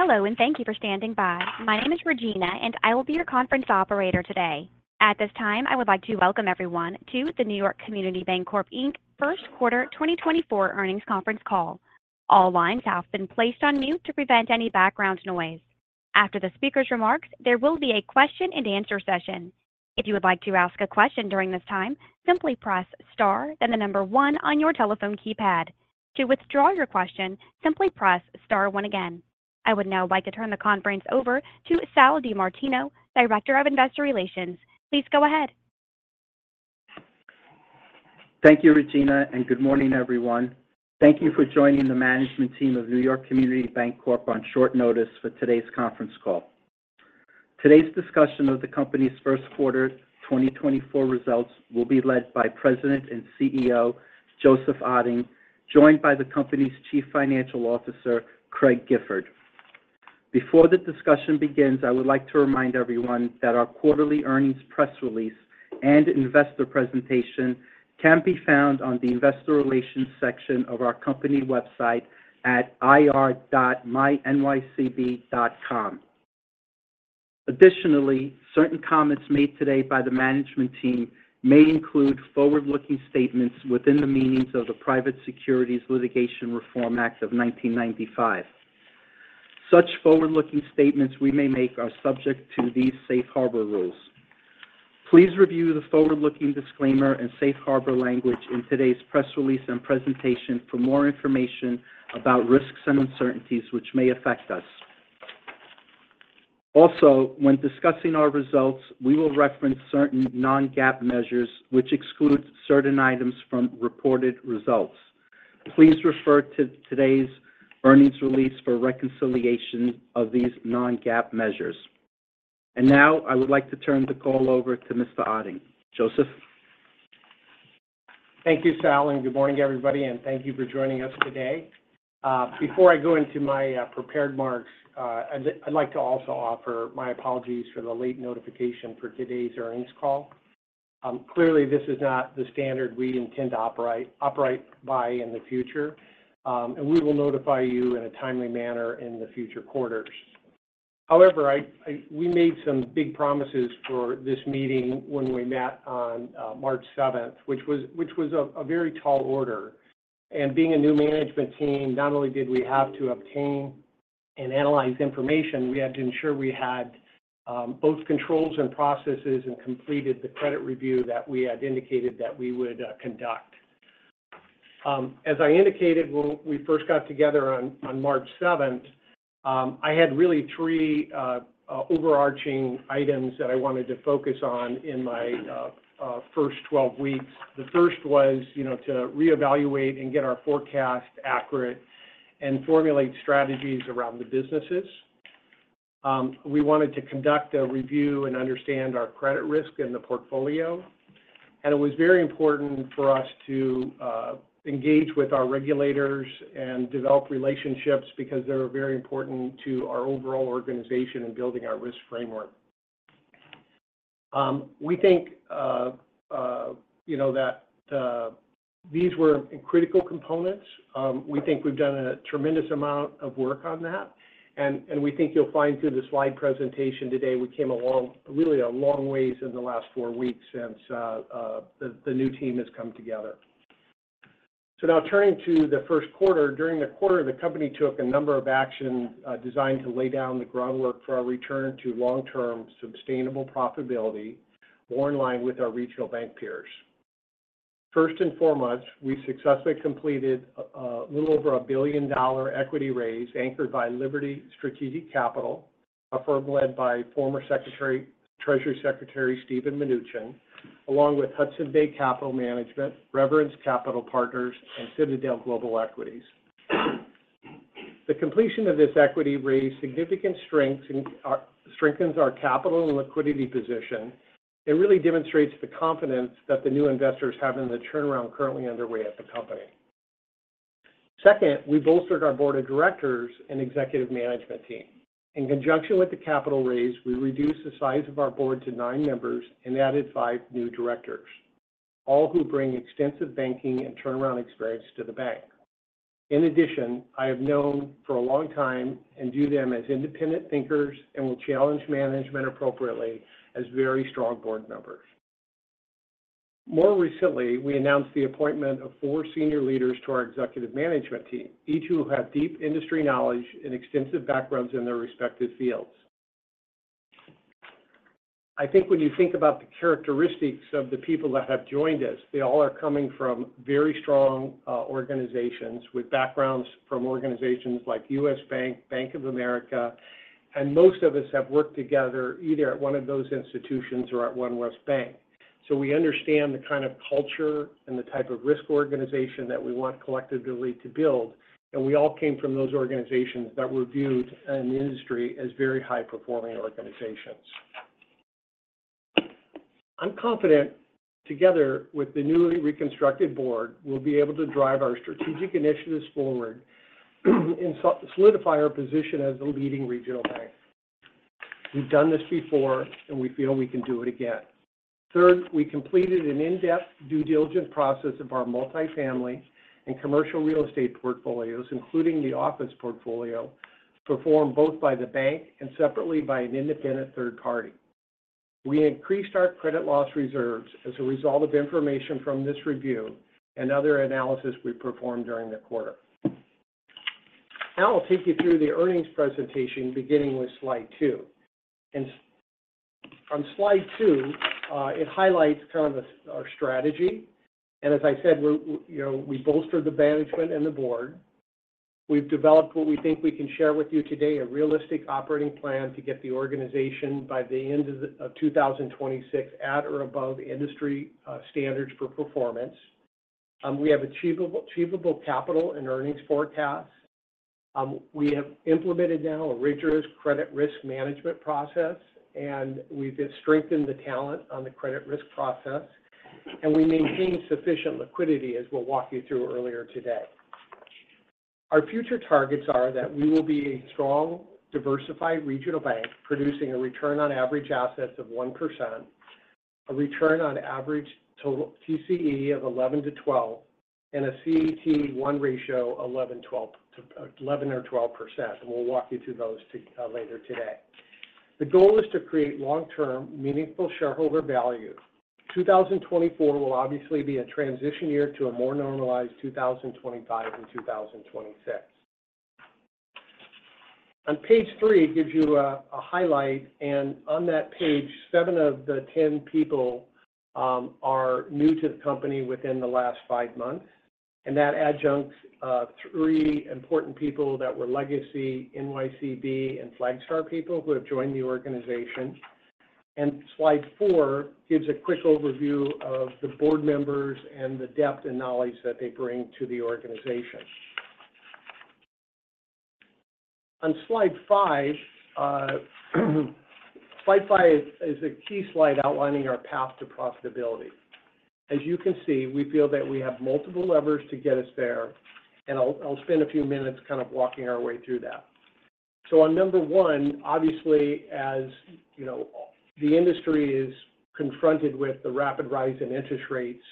Hello, and thank you for standing by. My name is Regina, and I will be your conference operator today. At this time, I would like to welcome everyone to the New York Community Bancorp, Inc. First Quarter 2024 earnings conference call. All lines have been placed on mute to prevent any background noise. After the speaker's remarks, there will be a question and answer session. If you would like to ask a question during this time, simply press Star, then the number one on your telephone keypad. To withdraw your question, simply press Star one again. I would now like to turn the conference over to Sal DiMartino, Director of Investor Relations. Please go ahead. Thank you, Regina, and good morning, everyone. Thank you for joining the management team of New York Community Bancorp on short notice for today's conference call. Today's discussion of the company's first quarter 2024 results will be led by President and CEO, Joseph Otting, joined by the company's Chief Financial Officer, Craig Gifford. Before the discussion begins, I would like to remind everyone that our quarterly earnings press release and investor presentation can be found on the Investor Relations section of our company website at ir.mynycb.com. Additionally, certain comments made today by the management team may include forward-looking statements within the meanings of the Private Securities Litigation Reform Act of 1995. Such forward-looking statements we may make are subject to these safe harbor rules. Please review the forward-looking disclaimer and safe harbor language in today's press release and presentation for more information about risks and uncertainties which may affect us. Also, when discussing our results, we will reference certain non-GAAP measures, which exclude certain items from reported results. Please refer to today's earnings release for reconciliation of these non-GAAP measures. And now, I would like to turn the call over to Mr. Otting. Joseph? Thank you, Sal, and good morning, everybody, and thank you for joining us today. Before I go into my prepared remarks, I'd like to also offer my apologies for the late notification for today's earnings call. Clearly, this is not the standard we intend to operate by in the future, and we will notify you in a timely manner in the future quarters. However, we made some big promises for this meeting when we met on March seventh, which was a very tall order. And being a new management team, not only did we have to obtain and analyze information, we had to ensure we had both controls and processes and completed the credit review that we had indicated that we would conduct. As I indicated when we first got together on March seventh, I had really three overarching items that I wanted to focus on in my first 12 weeks. The first was, you know, to reevaluate and get our forecast accurate and formulate strategies around the businesses. We wanted to conduct a review and understand our credit risk in the portfolio, and it was very important for us to engage with our regulators and develop relationships because they're very important to our overall organization in building our risk framework. We think, you know, that these were critical components. We think we've done a tremendous amount of work on that, and we think you'll find through the slide presentation today, we came a long, really a long ways in the last four weeks since the new team has come together. So now turning to the first quarter. During the quarter, the company took a number of actions, designed to lay down the groundwork for our return to long-term, sustainable profitability, more in line with our regional bank peers. First and foremost, we successfully completed a little over $1 billion equity raise, anchored by Liberty Strategic Capital, a firm led by former Treasury Secretary Steven Mnuchin, along with Hudson Bay Capital Management, Reverence Capital Partners, and Citadel Global Equities. The completion of this equity raise significantly strengthens our capital and liquidity position. It really demonstrates the confidence that the new investors have in the turnaround currently underway at the company. Second, we bolstered our board of directors and executive management team. In conjunction with the capital raise, we reduced the size of our board to nine members and added five new directors, all who bring extensive banking and turnaround experience to the bank. In addition, I have known for a long time and view them as independent thinkers and will challenge management appropriately as very strong board members. More recently, we announced the appointment of four senior leaders to our executive management team, each who have deep industry knowledge and extensive backgrounds in their respective fields. I think when you think about the characteristics of the people that have joined us, they all are coming from very strong organizations with backgrounds from organizations like U.S. Bank, Bank of America, and most of us have worked together either at one of those institutions or at OneWest Bank. So we understand the kind of culture and the type of risk organization that we want collectively to build, and we all came from those organizations that were viewed in the industry as very high-performing organizations. I'm confident, together with the newly reconstructed board, we'll be able to drive our strategic initiatives forward and solidify our position as the leading regional bank.... We've done this before, and we feel we can do it again. Third, we completed an in-depth due diligence process of our multifamily and commercial real estate portfolios, including the office portfolio, performed both by the bank and separately by an independent third party. We increased our credit loss reserves as a result of information from this review and other analysis we performed during the quarter. Now I'll take you through the earnings presentation, beginning with slide 2. On slide 2, it highlights kind of our, our strategy. As I said, we're- you know, we bolstered the management and the board. We've developed what we think we can share with you today, a realistic operating plan to get the organization by the end of the, of 2026 at or above industry, standards for performance. We have achievable, achievable capital and earnings forecasts. We have implemented now a rigorous credit risk management process, and we've strengthened the talent on the credit risk process, and we maintained sufficient liquidity, as we'll walk you through earlier today. Our future targets are that we will be a strong, diversified regional bank producing a return on average assets of 1%, a return on average total TCE of 11-12, and a CET1 ratio 11-12 to 11 or 12%, and we'll walk you through those later today. The goal is to create long-term, meaningful shareholder value. 2024 will obviously be a transition year to a more normalized 2025 and 2026. On page 3, it gives you a highlight, and on that page, 7 of the 10 people are new to the company within the last 5 months. That adds 3 important people that were legacy NYCB and Flagstar people who have joined the organization. Slide 4 gives a quick overview of the board members and the depth and knowledge that they bring to the organization. On slide 5, slide 5 is a key slide outlining our path to profitability. As you can see, we feel that we have multiple levers to get us there, and I'll spend a few minutes kind of walking our way through that. On number 1, obviously, as you know, the industry is confronted with the rapid rise in interest rates.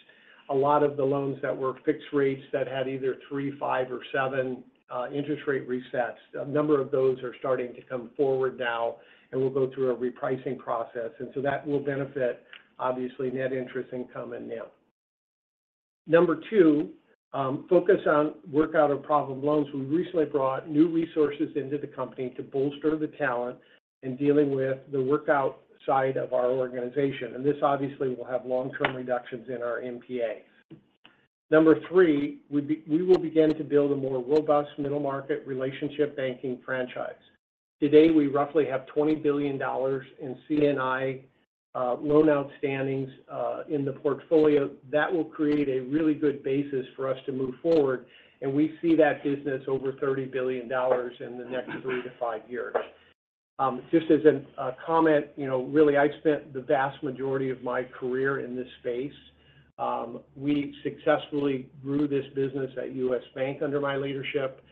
A lot of the loans that were fixed rates that had either 3, 5, or 7 interest rate resets, a number of those are starting to come forward now, and we'll go through a repricing process. And so that will benefit, obviously, net interest income and NIM. Number 2, focus on workout or problem loans. We recently brought new resources into the company to bolster the talent in dealing with the workout side of our organization, and this obviously will have long-term reductions in our NPAs. Number 3, we will begin to build a more robust middle-market relationship banking franchise. Today, we roughly have $20 billion in C&I loan outstandings in the portfolio. That will create a really good basis for us to move forward, and we see that business over $30 billion in the next 3-5 years. Just as a comment, you know, really, I've spent the vast majority of my career in this space. We successfully grew this business at U.S. Bank under my leadership.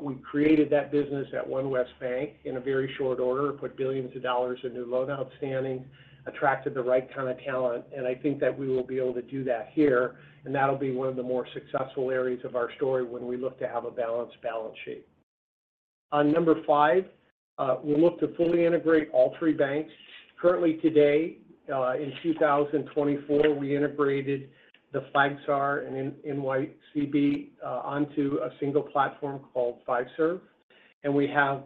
We created that business at OneWest Bank in a very short order, put billions of dollars in new loan outstanding, attracted the right kind of talent, and I think that we will be able to do that here, and that'll be one of the more successful areas of our story when we look to have a balanced balance sheet. On number five, we'll look to fully integrate all three banks. Currently today, in 2024, we integrated the Flagstar and NYCB onto a single platform called Fiserv. And we have,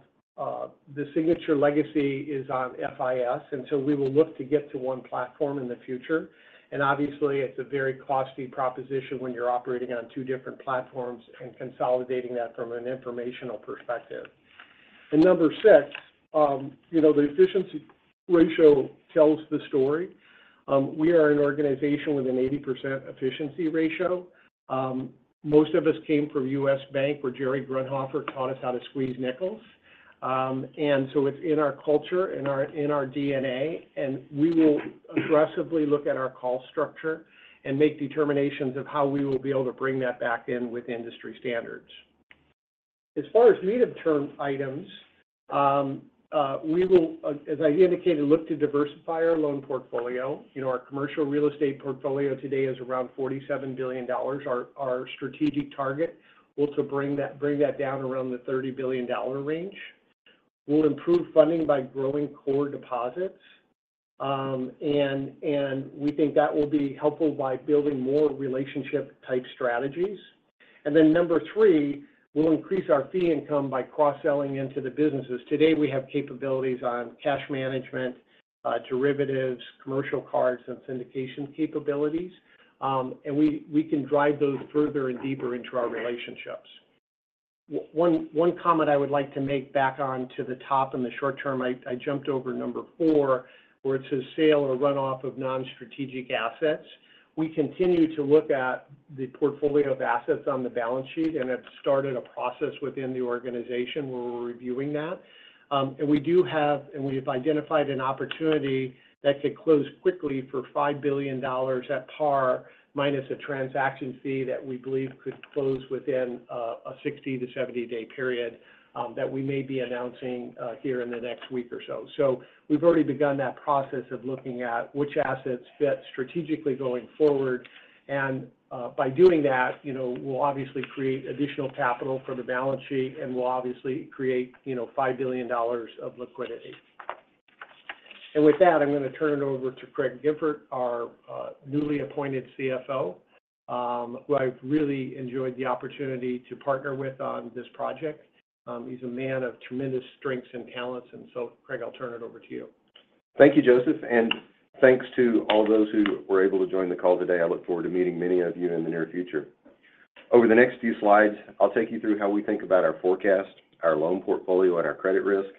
the Signature legacy is on FIS, and so we will look to get to one platform in the future. And obviously, it's a very costly proposition when you're operating on two different platforms and consolidating that from an informational perspective. And number six, you know, the efficiency ratio tells the story. We are an organization with an 80% efficiency ratio. Most of us came from U.S. Bank, where Jerry Grundhofer taught us how to squeeze nickels. And so it's in our culture, in our DNA, and we will aggressively look at our cost structure and make determinations of how we will be able to bring that back in with industry standards. As far as medium-term items, we will, as I indicated, look to diversify our loan portfolio. You know, our commercial real estate portfolio today is around $47 billion. Our strategic target is to bring that down around the $30 billion range. We'll improve funding by growing core deposits, and we think that will be helpful by building more relationship-type strategies. Then number three, we'll increase our fee income by cross-selling into the businesses. Today, we have capabilities on cash management, derivatives, commercial cards, and syndication capabilities, and we can drive those further and deeper into our relationships. One comment I would like to make back onto the top in the short term, I jumped over number four, where it says sale or run off of non-strategic assets. We continue to look at the portfolio of assets on the balance sheet, and have started a process within the organization where we're reviewing that. We've identified an opportunity that could close quickly for $5 billion at par, minus a transaction fee that we believe could close within a 60-70-day period, that we may be announcing here in the next week or so. So we've already begun that process of looking at which assets fit strategically going forward. By doing that, you know, we'll obviously create additional capital for the balance sheet, and we'll obviously create, you know, $5 billion of liquidity. With that, I'm going to turn it over to Craig Gifford, our newly appointed CFO, who I've really enjoyed the opportunity to partner with on this project. He's a man of tremendous strengths and talents, so Craig, I'll turn it over to you. Thank you, Joseph, and thanks to all those who were able to join the call today. I look forward to meeting many of you in the near future. Over the next few slides, I'll take you through how we think about our forecast, our loan portfolio and our credit risk,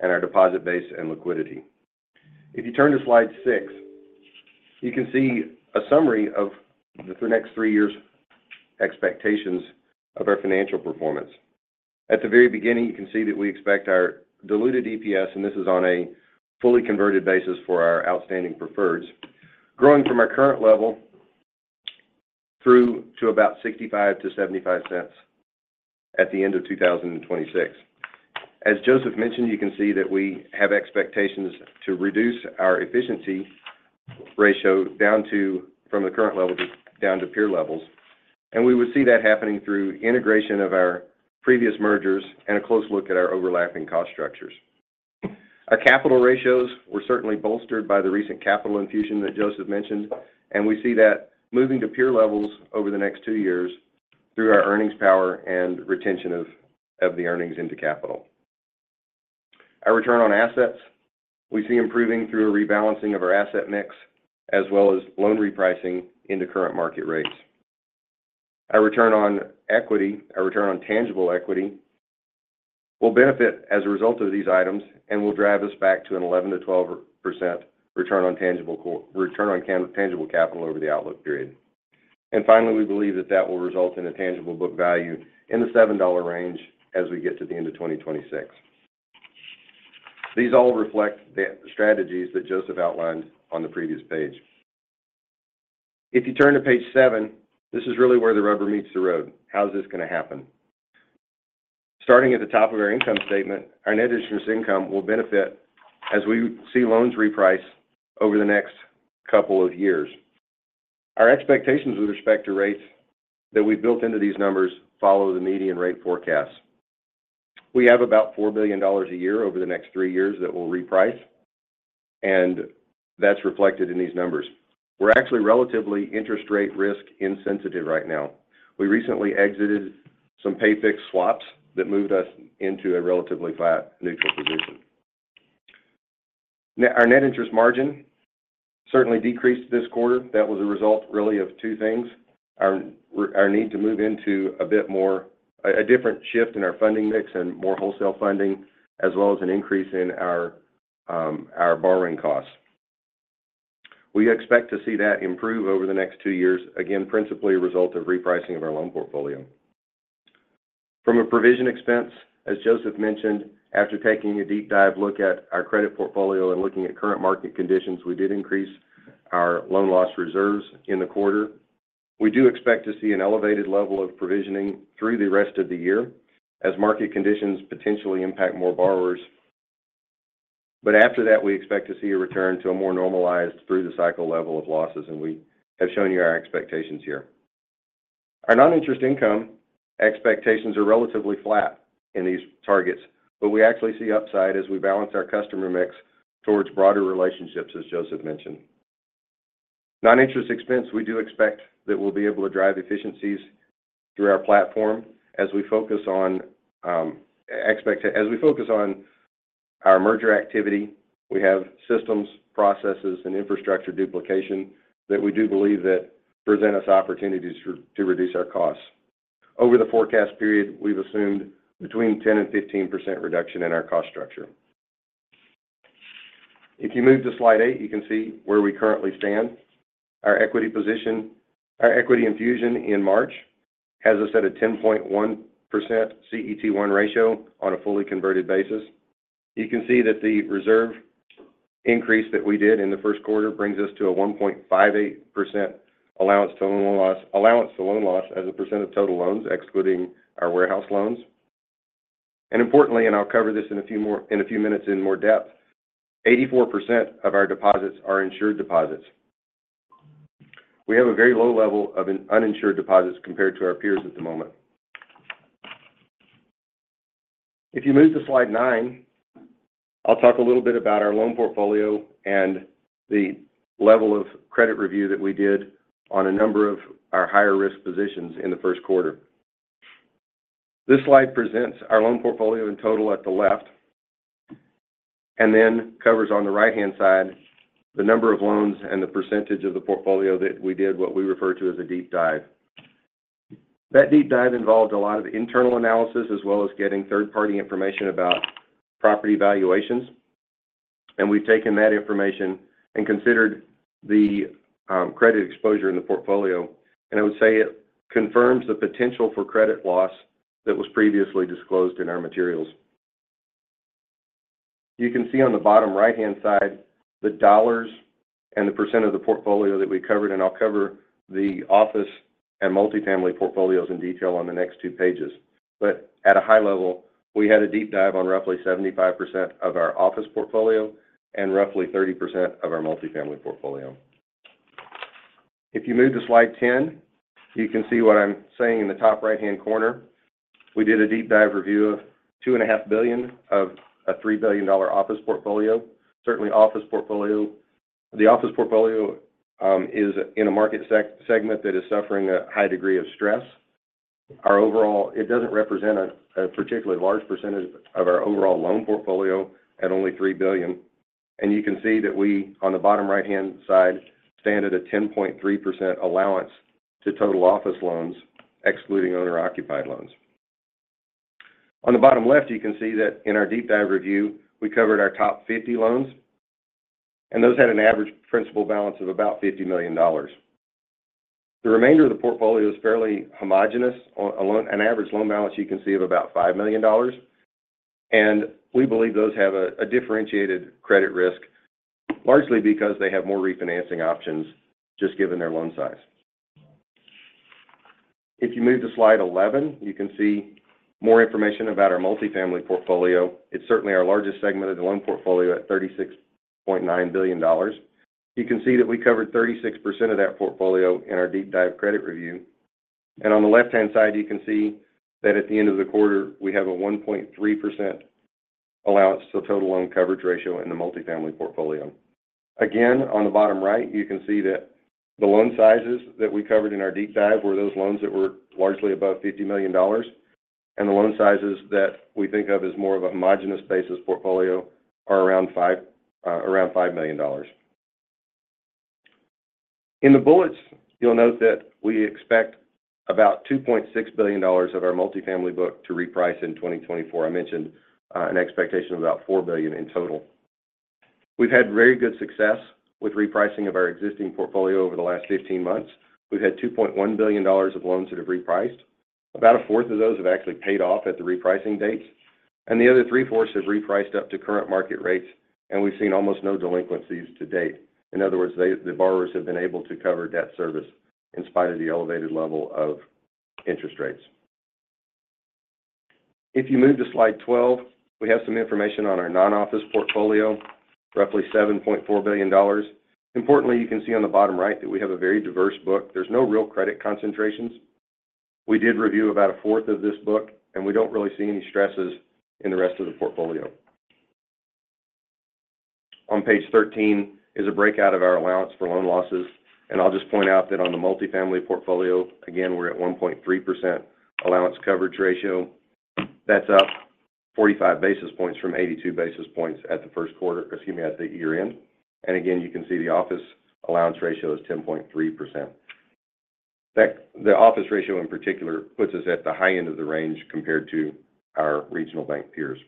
and our deposit base and liquidity. If you turn to slide 6, you can see a summary of the next 3 years' expectations of our financial performance. At the very beginning, you can see that we expect our diluted EPS, and this is on a fully converted basis for our outstanding preferreds, growing from our current level through to about $0.65-$0.75 at the end of 2026. As Joseph mentioned, you can see that we have expectations to reduce our efficiency ratio down to, from the current level, down to peer levels. And we would see that happening through integration of our previous mergers and a close look at our overlapping cost structures. Our capital ratios were certainly bolstered by the recent capital infusion that Joseph mentioned, and we see that moving to peer levels over the next 2 years through our earnings power and retention of, of the earnings into capital. Our return on assets, we see improving through a rebalancing of our asset mix, as well as loan repricing into current market rates. Our return on equity, our return on tangible equity, will benefit as a result of these items and will drive us back to an 11%-12% return on tangible co, return on tangible capital over the outlook period. And finally, we believe that that will result in a tangible book value in the $7 range as we get to the end of 2026. These all reflect the strategies that Joseph outlined on the previous page. If you turn to page 7, this is really where the rubber meets the road. How is this going to happen? Starting at the top of our income statement, our net interest income will benefit as we see loans reprice over the next couple of years. Our expectations with respect to rates that we've built into these numbers follow the median rate forecast. We have about $4 billion a year over the next three years that we'll reprice, and that's reflected in these numbers. We're actually relatively interest rate risk insensitive right now. We recently exited some pay-fixed swaps that moved us into a relatively flat, neutral position. Our net interest margin certainly decreased this quarter. That was a result really of two things: our need to move into a bit more, a different shift in our funding mix and more wholesale funding, as well as an increase in our borrowing costs. We expect to see that improve over the next two years, again, principally a result of repricing of our loan portfolio. From a provision expense, as Joseph mentioned, after taking a deep dive look at our credit portfolio and looking at current market conditions, we did increase our loan loss reserves in the quarter. We do expect to see an elevated level of provisioning through the rest of the year as market conditions potentially impact more borrowers. But after that, we expect to see a return to a more normalized through-the-cycle level of losses, and we have shown you our expectations here. Our non-interest income expectations are relatively flat in these targets, but we actually see upside as we balance our customer mix towards broader relationships, as Joseph mentioned. Non-interest expense, we do expect that we'll be able to drive efficiencies through our platform as we focus on our merger activity, we have systems, processes, and infrastructure duplication that we do believe that present us opportunities to, to reduce our costs. Over the forecast period, we've assumed between 10% and 15% reduction in our cost structure. If you move to slide 8, you can see where we currently stand. Our equity position—our equity infusion in March has us at a 10.1% CET1 ratio on a fully converted basis. You can see that the reserve increase that we did in the first quarter brings us to a 1.58% allowance for loan losses as a percent of total loans, excluding our warehouse loans. And importantly, and I'll cover this in a few minutes in more depth, 84% of our deposits are insured deposits. We have a very low level of uninsured deposits compared to our peers at the moment. If you move to slide 9, I'll talk a little bit about our loan portfolio and the level of credit review that we did on a number of our higher-risk positions in the first quarter. This slide presents our loan portfolio in total at the left, and then covers on the right-hand side, the number of loans and the percentage of the portfolio that we did what we refer to as a deep dive. That deep dive involved a lot of internal analysis, as well as getting third-party information about property valuations, and we've taken that information and considered the credit exposure in the portfolio, and I would say it confirms the potential for credit loss that was previously disclosed in our materials. You can see on the bottom right-hand side, the dollars and the percent of the portfolio that we covered, and I'll cover the office and multifamily portfolios in detail on the next two pages. But at a high level, we had a deep dive on roughly 75% of our office portfolio and roughly 30% of our multifamily portfolio.... If you move to slide 10, you can see what I'm saying in the top right-hand corner. We did a deep dive review of $2.5 billion of a $3 billion office portfolio. Certainly, office portfolio—the office portfolio, is in a market segment that is suffering a high degree of stress. Our overall, it doesn't represent a particularly large percentage of our overall loan portfolio at only $3 billion. You can see that we, on the bottom right-hand side, stand at a 10.3% allowance to total office loans, excluding owner-occupied loans. On the bottom left, you can see that in our deep dive review, we covered our top 50 loans, and those had an average principal balance of about $50 million. The remainder of the portfolio is fairly homogenous. On a loan - an average loan balance, you can see of about $5 million, and we believe those have a differentiated credit risk, largely because they have more refinancing options, just given their loan size. If you move to slide 11, you can see more information about our multifamily portfolio. It's certainly our largest segment of the loan portfolio at $36.9 billion. You can see that we covered 36% of that portfolio in our deep dive credit review. And on the left-hand side, you can see that at the end of the quarter, we have a 1.3% allowance to total loan coverage ratio in the multifamily portfolio. Again, on the bottom right, you can see that the loan sizes that we covered in our deep dive were those loans that were largely above $50 million, and the loan sizes that we think of as more of a homogeneous basis portfolio are around $5 million. In the bullets, you'll note that we expect about $2.6 billion of our multifamily book to reprice in 2024. I mentioned an expectation of about $4 billion in total. We've had very good success with repricing of our existing portfolio over the last 15 months. We've had $2.1 billion of loans that have repriced. About a fourth of those have actually paid off at the repricing dates, and the other three-fourths have repriced up to current market rates, and we've seen almost no delinquencies to date. In other words, they, the borrowers have been able to cover debt service in spite of the elevated level of interest rates. If you move to slide 12, we have some information on our non-office portfolio, roughly $7.4 billion. Importantly, you can see on the bottom right that we have a very diverse book. There's no real credit concentrations. We did review about a fourth of this book, and we don't really see any stresses in the rest of the portfolio. On page 13 is a breakout of our allowance for loan losses, and I'll just point out that on the multifamily portfolio, again, we're at 1.3% allowance coverage ratio. That's up 45 basis points from 82 basis points at the first quarter... excuse me, at the year-end. And again, you can see the office allowance ratio is 10.3%. The office ratio, in particular, puts us at the high end of the range compared to our regional bank peers.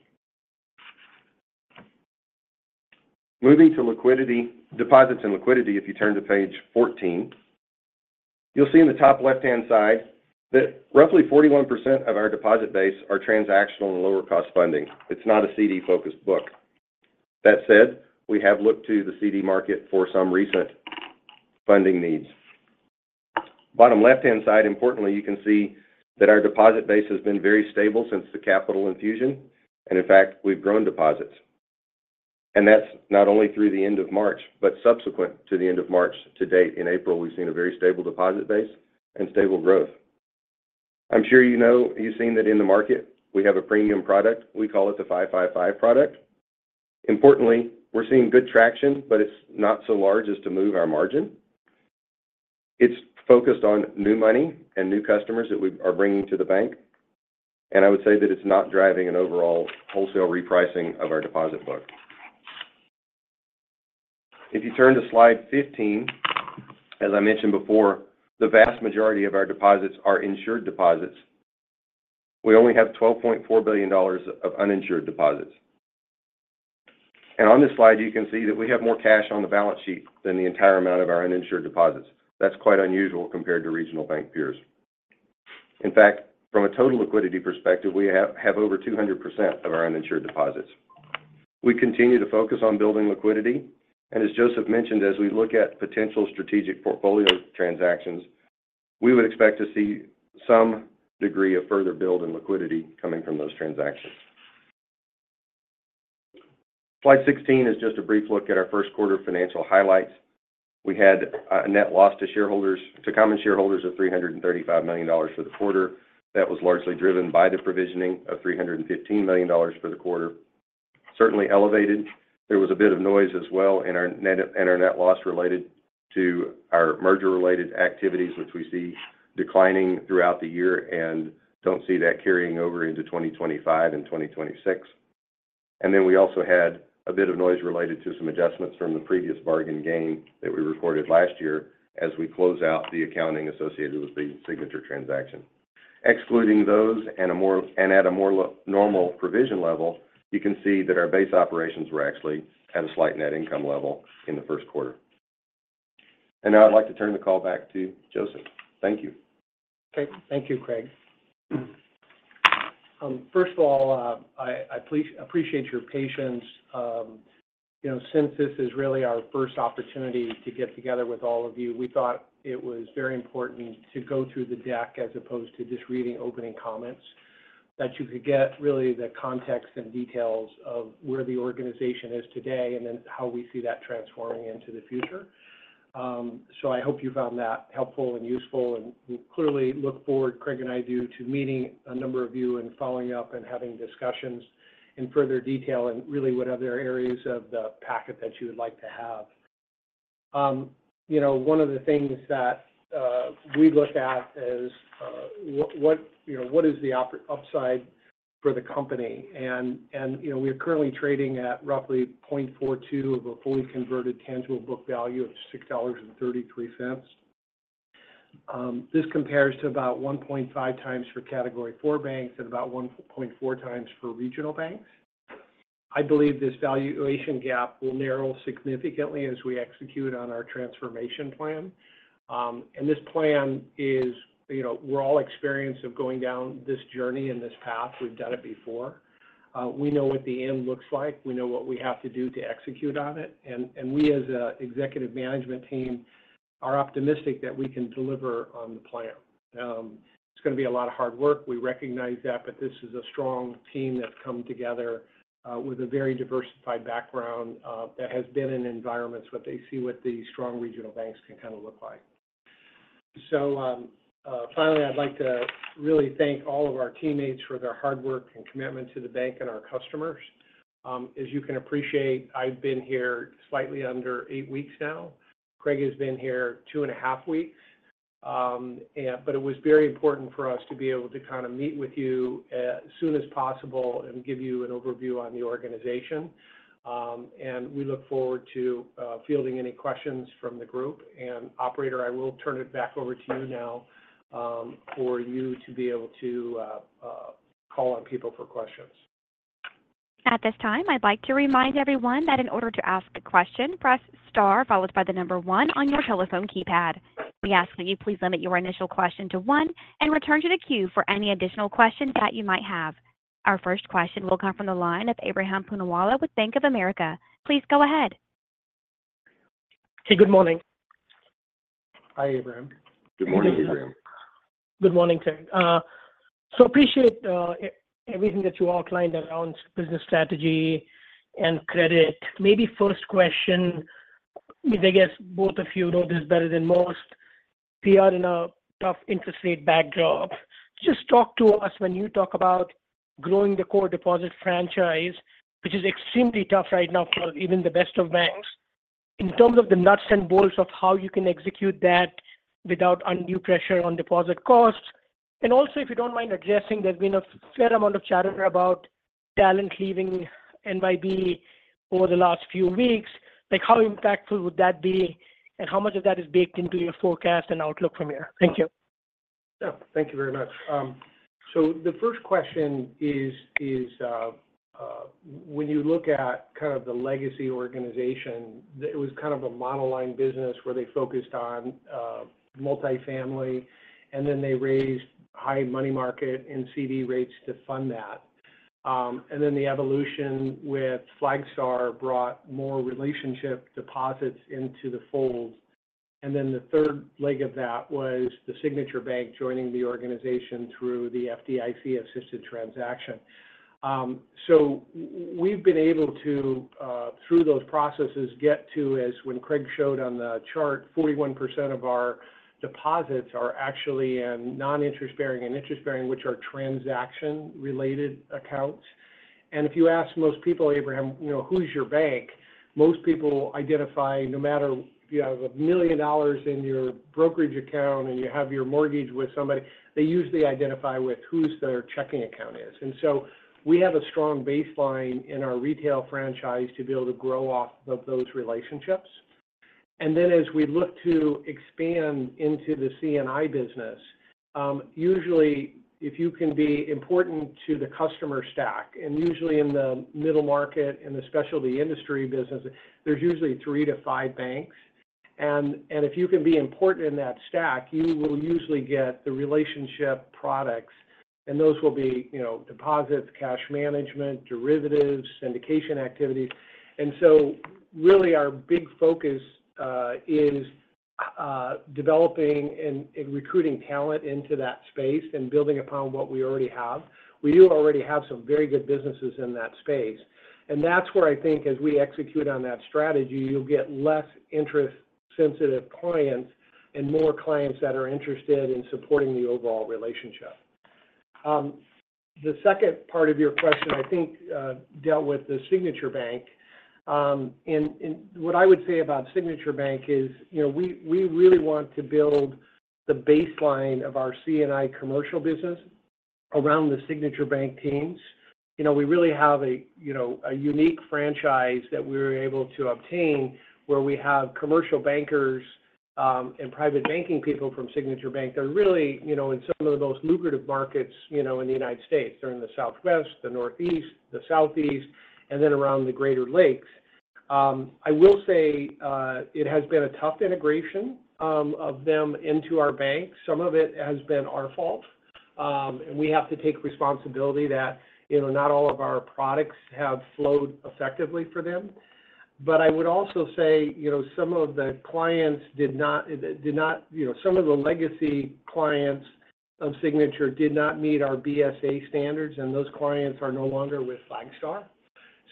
Moving to liquidity, deposits and liquidity, if you turn to page 14, you'll see in the top left-hand side that roughly 41% of our deposit base are transactional and lower-cost funding. It's not a CD-focused book. That said, we have looked to the CD market for some recent funding needs. Bottom left-hand side, importantly, you can see that our deposit base has been very stable since the capital infusion, and in fact, we've grown deposits. And that's not only through the end of March, but subsequent to the end of March to date. In April, we've seen a very stable deposit base and stable growth. I'm sure you know, you've seen that in the market, we have a premium product. We call it the 555 Product. Importantly, we're seeing good traction, but it's not so large as to move our margin. It's focused on new money and new customers that we are bringing to the bank, and I would say that it's not driving an overall wholesale repricing of our deposit book. If you turn to slide 15, as I mentioned before, the vast majority of our deposits are insured deposits. We only have $12.4 billion of uninsured deposits. And on this slide, you can see that we have more cash on the balance sheet than the entire amount of our uninsured deposits. That's quite unusual compared to regional bank peers. In fact, from a total liquidity perspective, we have over 200% of our uninsured deposits. We continue to focus on building liquidity, and as Joseph mentioned, as we look at potential strategic portfolio transactions, we would expect to see some degree of further build in liquidity coming from those transactions. Slide 16 is just a brief look at our first quarter financial highlights. We had a net loss to shareholders, to common shareholders, of $335 million for the quarter. That was largely driven by the provisioning of $315 million for the quarter. Certainly elevated. There was a bit of noise as well in our net, in our net loss related to our merger-related activities, which we see declining throughout the year and don't see that carrying over into 2025 and 2026. And then we also had a bit of noise related to some adjustments from the previous bargain gain that we recorded last year, as we close out the accounting associated with the Signature transaction. Excluding those and at a more normal provision level, you can see that our base operations were actually at a slight net income level in the first quarter. And now I'd like to turn the call back to Joseph. Thank you. Okay. Thank you, Craig. First of all, I appreciate your patience. You know, since this is really our first opportunity to get together with all of you, we thought it was very important to go through the deck as opposed to just reading opening comments... that you could get really the context and details of where the organization is today, and then how we see that transforming into the future. So I hope you found that helpful and useful, and we clearly look forward, Craig and I do, to meeting a number of you and following up and having discussions in further detail, and really what other areas of the packet that you would like to have. You know, one of the things that we looked at is, you know, what is the upside for the company? You know, we are currently trading at roughly 0.42 of a fully converted tangible book value of $6.33. This compares to about 1.5 times for Category IV banks and about 1.4 times for regional banks. I believe this valuation gap will narrow significantly as we execute on our transformation plan. And this plan is, you know, we're all experienced of going down this journey and this path. We've done it before. We know what the end looks like. We know what we have to do to execute on it, and we, as a executive management team, are optimistic that we can deliver on the plan. It's gonna be a lot of hard work. We recognize that, but this is a strong team that's come together, with a very diversified background, that has been in environments what they see, what the strong regional banks can kind of look like. So, finally, I'd like to really thank all of our teammates for their hard work and commitment to the bank and our customers. As you can appreciate, I've been here slightly under eight weeks now. Craig has been here two and a half weeks. But it was very important for us to be able to kind of meet with you as soon as possible and give you an overview on the organization. We look forward to fielding any questions from the group. Operator, I will turn it back over to you now, for you to be able to call on people for questions. At this time, I'd like to remind everyone that in order to ask a question, press star followed by the number one on your telephone keypad. We ask that you please limit your initial question to one and return to the queue for any additional questions that you might have. Our first question will come from the line of Ebrahim Poonawalla with Bank of America. Please go ahead. Hey, good morning. Hi, Ebrahim. Good morning, Ebrahim. Good morning to you. So appreciate everything that you outlined around business strategy and credit. Maybe first question, I guess both of you know this better than most, we are in a tough interest rate backdrop. Just talk to us when you talk about growing the core deposit franchise, which is extremely tough right now for even the best of banks. In terms of the nuts and bolts of how you can execute that without undue pressure on deposit costs, and also, if you don't mind addressing, there's been a fair amount of chatter about talent leaving NYB over the last few weeks. Like, how impactful would that be, and how much of that is baked into your forecast and outlook from here? Thank you. Yeah, thank you very much. So the first question is, when you look at kind of the legacy organization, it was kind of a monoline business where they focused on multifamily, and then they raised high money market and CD rates to fund that. And then the evolution with Flagstar brought more relationship deposits into the fold. And then the third leg of that was the Signature Bank joining the organization through the FDIC-assisted transaction. So we've been able to, through those processes, get to, as when Craig showed on the chart, 41% of our deposits are actually in non-interest bearing and interest bearing, which are transaction-related accounts. And if you ask most people, Abraham, you know, "Who's your bank?" Most people identify, no matter if you have $1 million in your brokerage account and you have your mortgage with somebody, they usually identify with who's their checking account is. And so we have a strong baseline in our retail franchise to be able to grow off of those relationships. And then as we look to expand into the C&I business, usually, if you can be important to the customer stack, and usually in the middle market, in the specialty industry business, there's usually 3-5 banks. And if you can be important in that stack, you will usually get the relationship products, and those will be, you know, deposits, cash management, derivatives, syndication activities. So really, our big focus is developing and recruiting talent into that space and building upon what we already have. We do already have some very good businesses in that space, and that's where I think as we execute on that strategy, you'll get less interest-sensitive clients and more clients that are interested in supporting the overall relationship. The second part of your question, I think, dealt with the Signature Bank. And what I would say about Signature Bank is, you know, we really want to build the baseline of our C&I commercial business around the Signature Bank teams. You know, we really have a unique franchise that we were able to obtain where we have commercial bankers and private banking people from Signature Bank. They're really, you know, in some of the most lucrative markets, you know, in the United States. They're in the Southwest, the Northeast, the Southeast, and then around the Great Lakes. I will say, it has been a tough integration of them into our bank. Some of it has been our fault. And we have to take responsibility that, you know, not all of our products have flowed effectively for them. But I would also say, you know, some of the clients did not, you know, some of the legacy clients of Signature did not meet our BSA standards, and those clients are no longer with Flagstar.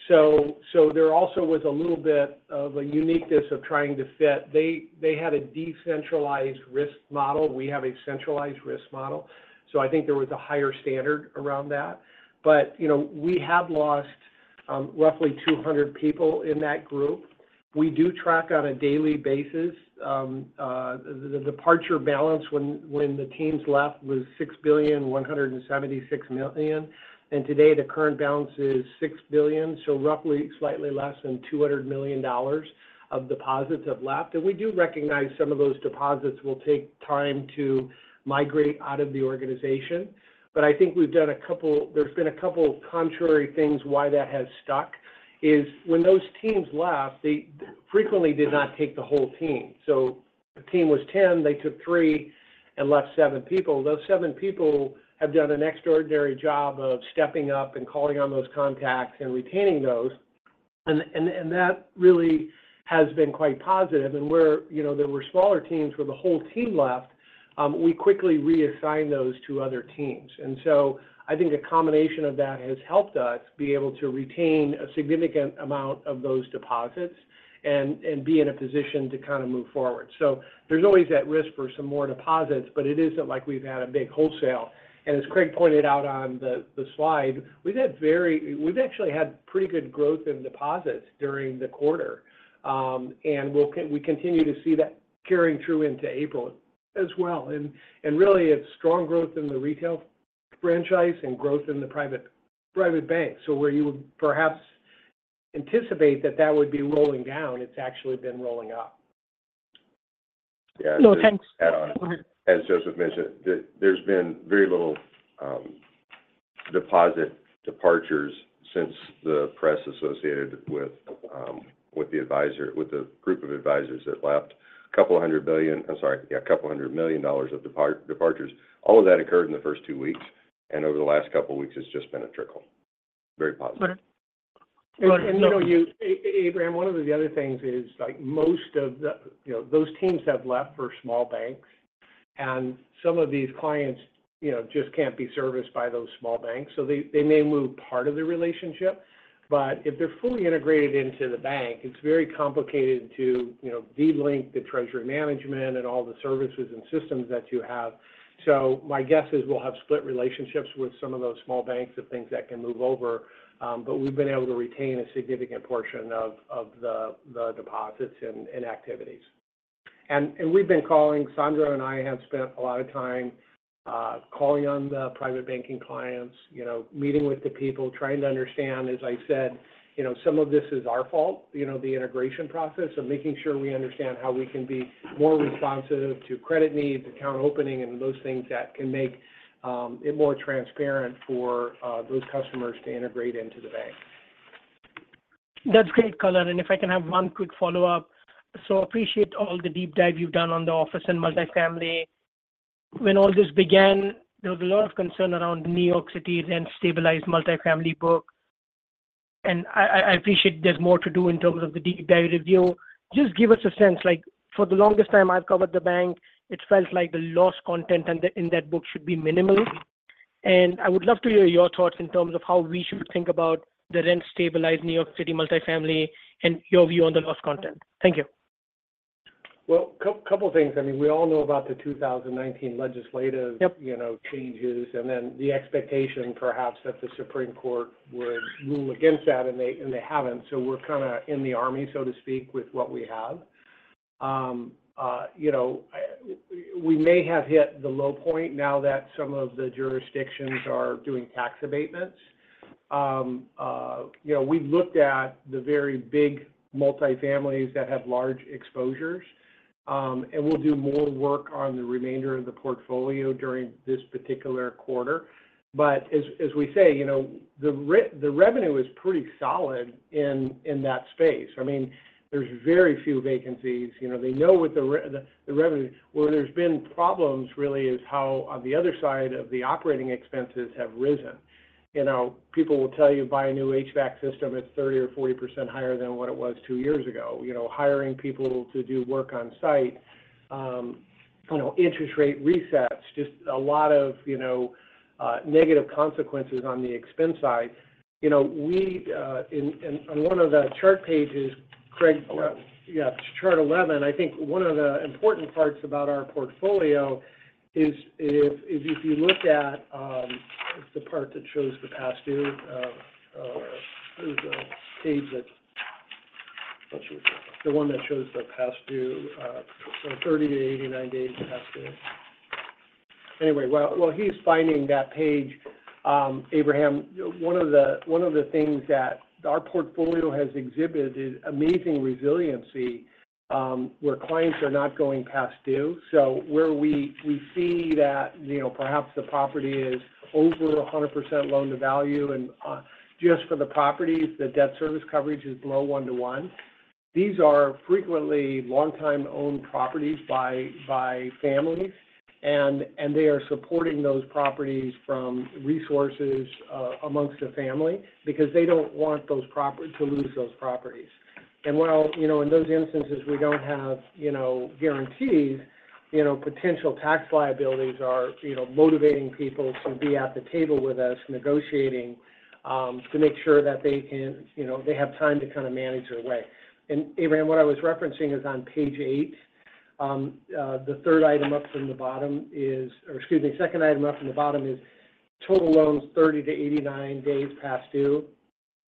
So there also was a little bit of a uniqueness of trying to fit. They had a decentralized risk model. We have a centralized risk model. So I think there was a higher standard around that. But, you know, we have lost roughly 200 people in that group. We do track on a daily basis. The departure balance when the teams left was $6.176 billion, and today the current balance is $6 billion. So roughly, slightly less than $200 million of deposits have left. And we do recognize some of those deposits will take time to migrate out of the organization. But I think we've done a couple, there's been a couple contrary things why that has stuck, is when those teams left, they frequently did not take the whole team. So the team was 10, they took three and left seven people. Those seven people have done an extraordinary job of stepping up and calling on those contacts and retaining those. And that really has been quite positive. And where, you know, there were smaller teams where the whole team left, we quickly reassigned those to other teams. And so I think a combination of that has helped us be able to retain a significant amount of those deposits and be in a position to kind of move forward. So there's always at risk for some more deposits, but it isn't like we've had a big wholesale. And as Craig pointed out on the slide, we've actually had pretty good growth in deposits during the quarter. And we continue to see that carrying through into April as well. And really, it's strong growth in the retail franchise and growth in the private bank. Where you would perhaps anticipate that that would be rolling down, it's actually been rolling up. No, thanks. Go ahead. As Joseph mentioned, there, there's been very little deposit departures since the press associated with the advisor, with the group of advisors that left. A couple of $200 billion... I'm sorry, yeah, a couple $200 million of departures. All of that occurred in the first two weeks, and over the last couple of weeks, it's just been a trickle. Very positive. Right. And you know, you Abraham, one of the other things is, like, most of the, you know, those teams have left for small banks, and some of these clients, you know, just can't be serviced by those small banks. So they, they may move part of the relationship, but if they're fully integrated into the bank, it's very complicated to, you know, delink the treasury management and all the services and systems that you have. So my guess is we'll have split relationships with some of those small banks of things that can move over. But we've been able to retain a significant portion of the deposits and activities. And we've been calling, Sandro and I have spent a lot of time calling on the private banking clients, you know, meeting with the people, trying to understand. As I said, you know, some of this is our fault, you know, the integration process of making sure we understand how we can be more responsive to credit needs, account opening, and those things that can make it more transparent for those customers to integrate into the bank. That's great, color. And if I can have one quick follow-up. So appreciate all the deep dive you've done on the office and multifamily. When all this began, there was a lot of concern around New York City rent-stabilized multifamily book, and I, I, I appreciate there's more to do in terms of the deep dive review. Just give us a sense, like, for the longest time I've covered the bank, it felt like the loss content in the, in that book should be minimal. And I would love to hear your thoughts in terms of how we should think about the rent-stabilized New York City multifamily and your view on the loss content. Thank you. Well, couple things. I mean, we all know about the 2019 legislative- Yep... you know, changes, and then the expectation perhaps that the Supreme Court would rule against that, and they, and they haven't. So we're kind of in a quandary, so to speak, with what we have. You know, we may have hit the low point now that some of the jurisdictions are doing tax abatements. You know, we've looked at the very big multifamilies that have large exposures, and we'll do more work on the remainder of the portfolio during this particular quarter. But as we say, you know, the revenue is pretty solid in that space. I mean, there's very few vacancies. You know, they know what the revenue. Where there's been problems really is how on the other side of the operating expenses have risen. You know, people will tell you, buy a new HVAC system, it's 30% or 40% higher than what it was two years ago. You know, hiring people to do work on site, you know, interest rate resets, just a lot of, you know, negative consequences on the expense side. You know, we, and on one of the chart pages, Craig- Eleven. Yeah, chart 11, I think one of the important parts about our portfolio is if you look at, it's the part that shows the past due, there's a page that... Let's see. The one that shows the past due, so 30-89 days past due. Anyway, while he's finding that page, Abraham, one of the things that our portfolio has exhibited is amazing resiliency, where clients are not going past due. So where we see that, you know, perhaps the property is over 100% loan to value, and just for the properties, the debt service coverage is below 1:1. These are frequently long-time-owned properties by families, and they are supporting those properties from resources amongst the family because they don't want those properties to lose those properties. And while, you know, in those instances, we don't have, you know, guarantees, you know, potential tax liabilities are, you know, motivating people to be at the table with us, negotiating to make sure that they can, you know, they have time to kind of manage their way. And Abraham, what I was referencing is on page 8. The third item up from the bottom is, or excuse me, second item up from the bottom is total loans, 30-89 days past due.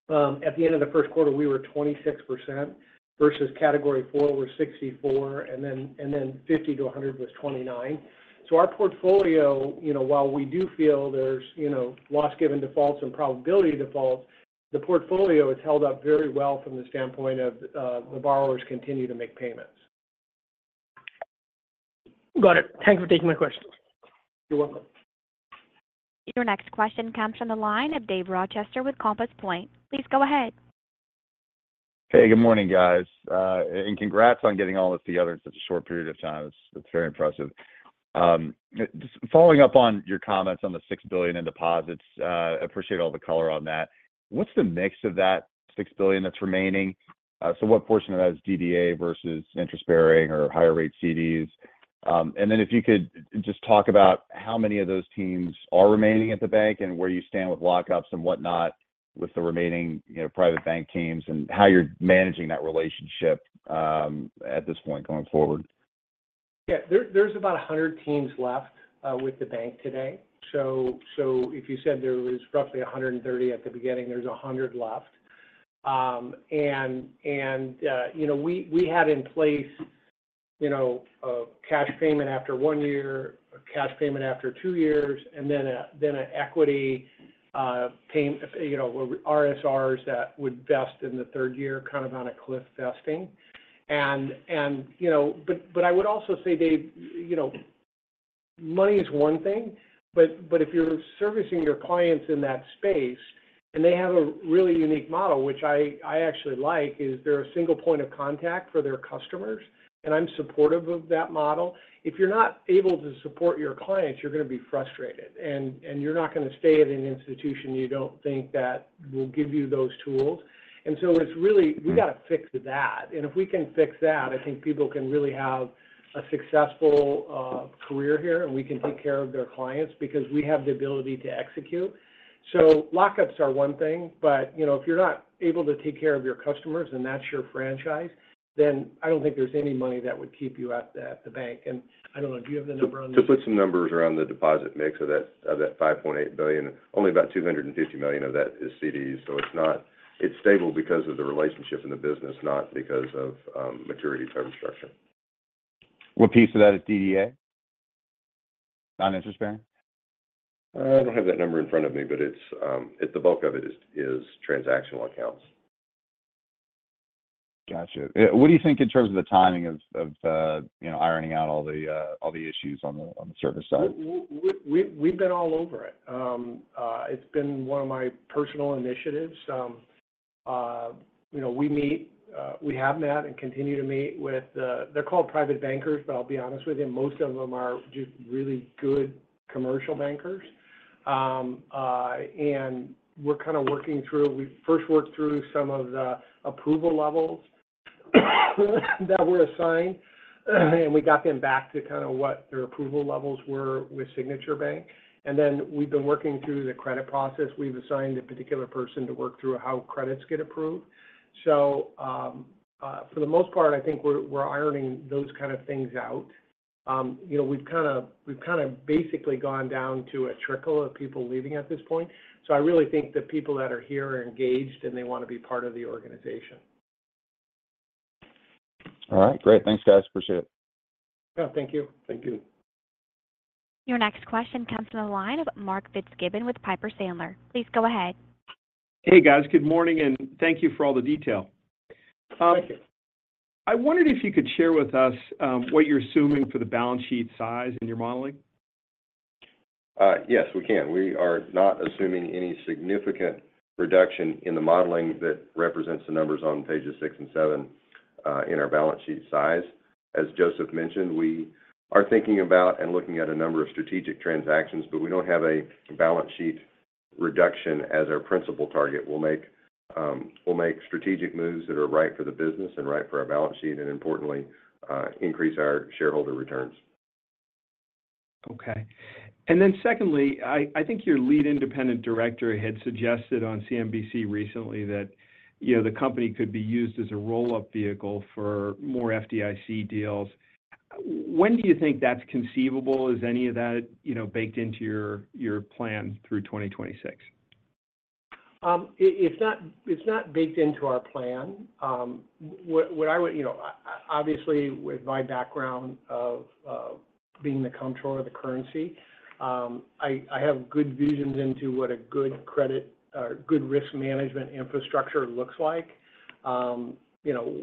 At the end of the first quarter, we were 26% versus Category IV was 64%, and then 50 to 100 was 29%. So our portfolio, you know, while we do feel there's, you know, loss given defaults and probability defaults, the portfolio has held up very well from the standpoint of, the borrowers continue to make payments. Got it. Thank you for taking my questions. You're welcome. Your next question comes from the line of Dave Rochester with Compass Point. Please go ahead. Hey, good morning, guys. Congrats on getting all this together in such a short period of time. It's very impressive. Just following up on your comments on the $6 billion in deposits, appreciate all the color on that. What's the mix of that $6 billion that's remaining? So what portion of that is DDA versus interest-bearing or higher rate CDs? And then if you could just talk about how many of those teams are remaining at the bank and where you stand with lockups and whatnot, with the remaining, you know, private bank teams, and how you're managing that relationship, at this point going forward. Yeah. There's about 100 teams left with the bank today. So if you said there was roughly 130 at the beginning, there's 100 left. And you know, we had in place, you know, a cash payment after 1 year, a cash payment after 2 years, and then an equity pay, you know, RSUs that would vest in the third year, kind of on a cliff vesting. And you know— But I would also say, Dave, you know, money is one thing, but if you're servicing your clients in that space, and they have a really unique model, which I actually like, is they're a single point of contact for their customers, and I'm supportive of that model. If you're not able to support your clients, you're going to be frustrated, and, and you're not going to stay at an institution you don't think that will give you those tools. And so it's really, we got to fix that. And if we can fix that, I think people can really have a successful career here, and we can take care of their clients because we have the ability to execute. So lockups are one thing, but, you know, if you're not able to take care of your customers and that's your franchise, then I don't think there's any money that would keep you at the, the bank. And I don't know, do you have the number on this? To put some numbers around the deposit mix of that, of that $5.8 billion, only about $250 million of that is CDs. So it's not—it's stable because of the relationship and the business, not because of maturity term structure. What piece of that is DDA? Non-interest-bearing. I don't have that number in front of me, but it's the bulk of it is transactional accounts. Gotcha. What do you think in terms of the timing of, you know, ironing out all the issues on the service side? We've been all over it. It's been one of my personal initiatives. You know, we meet, we have met and continue to meet with... They're called private bankers, but I'll be honest with you, most of them are just really good commercial bankers. And we're kind of working through. We first worked through some of the approval levels that were assigned, and we got them back to kind of what their approval levels were with Signature Bank. And then we've been working through the credit process. We've assigned a particular person to work through how credits get approved. So, for the most part, I think we're ironing those kind of things out. You know, we've kind of basically gone down to a trickle of people leaving at this point. I really think the people that are here are engaged, and they want to be part of the organization. All right, great. Thanks, guys. Appreciate it. Yeah, thank you. Thank you. Your next question comes from the line of Mark Fitzgibbon with Piper Sandler. Please go ahead. Hey, guys. Good morning, and thank you for all the detail. Thank you. I wondered if you could share with us, what you're assuming for the balance sheet size in your modeling? Yes, we can. We are not assuming any significant reduction in the modeling that represents the numbers on pages six and seven in our balance sheet size. As Joseph mentioned, we are thinking about and looking at a number of strategic transactions, but we don't have a balance sheet reduction as our principal target. We'll make, we'll make strategic moves that are right for the business and right for our balance sheet, and importantly, increase our shareholder returns. Okay. And then secondly, I think your lead independent director had suggested on CNBC recently that, you know, the company could be used as a roll-up vehicle for more FDIC deals. When do you think that's conceivable? Is any of that, you know, baked into your plan through 2026? It's not baked into our plan. What I would, you know, obviously, with my background of being the Comptroller of the Currency, I have good visions into what a good credit or good risk management infrastructure looks like. You know,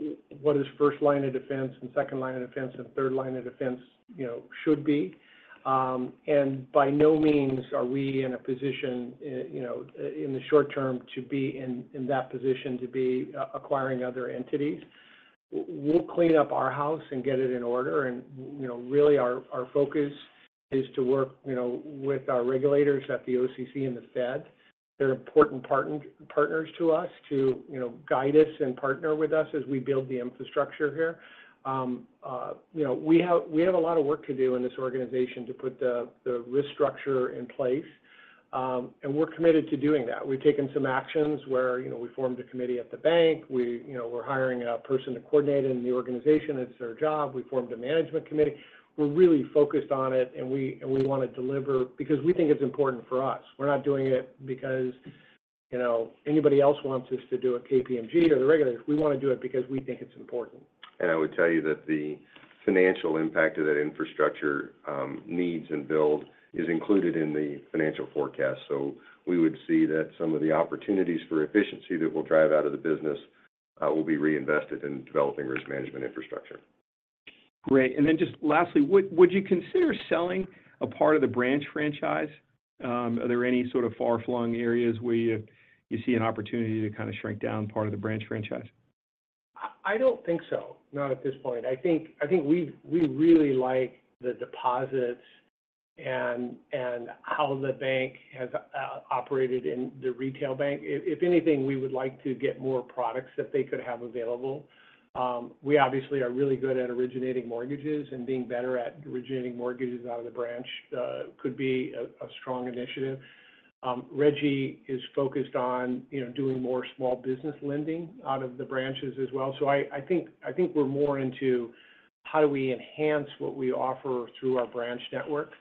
what is first line of defense and second line of defense and third line of defense, you know, should be. And by no means are we in a position, you know, in the short term to be in that position to be acquiring other entities. We'll clean up our house and get it in order. And, you know, really, our focus is to work, you know, with our regulators at the OCC and the Fed. They're important partners to us, you know, to guide us and partner with us as we build the infrastructure here. You know, we have, we have a lot of work to do in this organization to put the risk structure in place, and we're committed to doing that. We've taken some actions where, you know, we formed a committee at the bank. We, you know, we're hiring a person to coordinate it in the organization. It's their job. We formed a management committee. We're really focused on it, and we want to deliver because we think it's important for us. We're not doing it because, you know, anybody else wants us to do a KPMG or the regulators. We want to do it because we think it's important. I would tell you that the financial impact of that infrastructure, needs and build is included in the financial forecast. So we would see that some of the opportunities for efficiency that we'll drive out of the business, will be reinvested in developing risk management infrastructure. Great. And then just lastly, would you consider selling a part of the branch franchise? Are there any sort of far-flung areas where you see an opportunity to kind of shrink down part of the branch franchise? I don't think so, not at this point. I think we really like the deposits and how the bank has operated in the retail bank. If anything, we would like to get more products that they could have available. We obviously are really good at originating mortgages, and being better at originating mortgages out of the branch could be a strong initiative. Reggie is focused on, you know, doing more small business lending out of the branches as well. So I think we're more into how do we enhance what we offer through our branch network.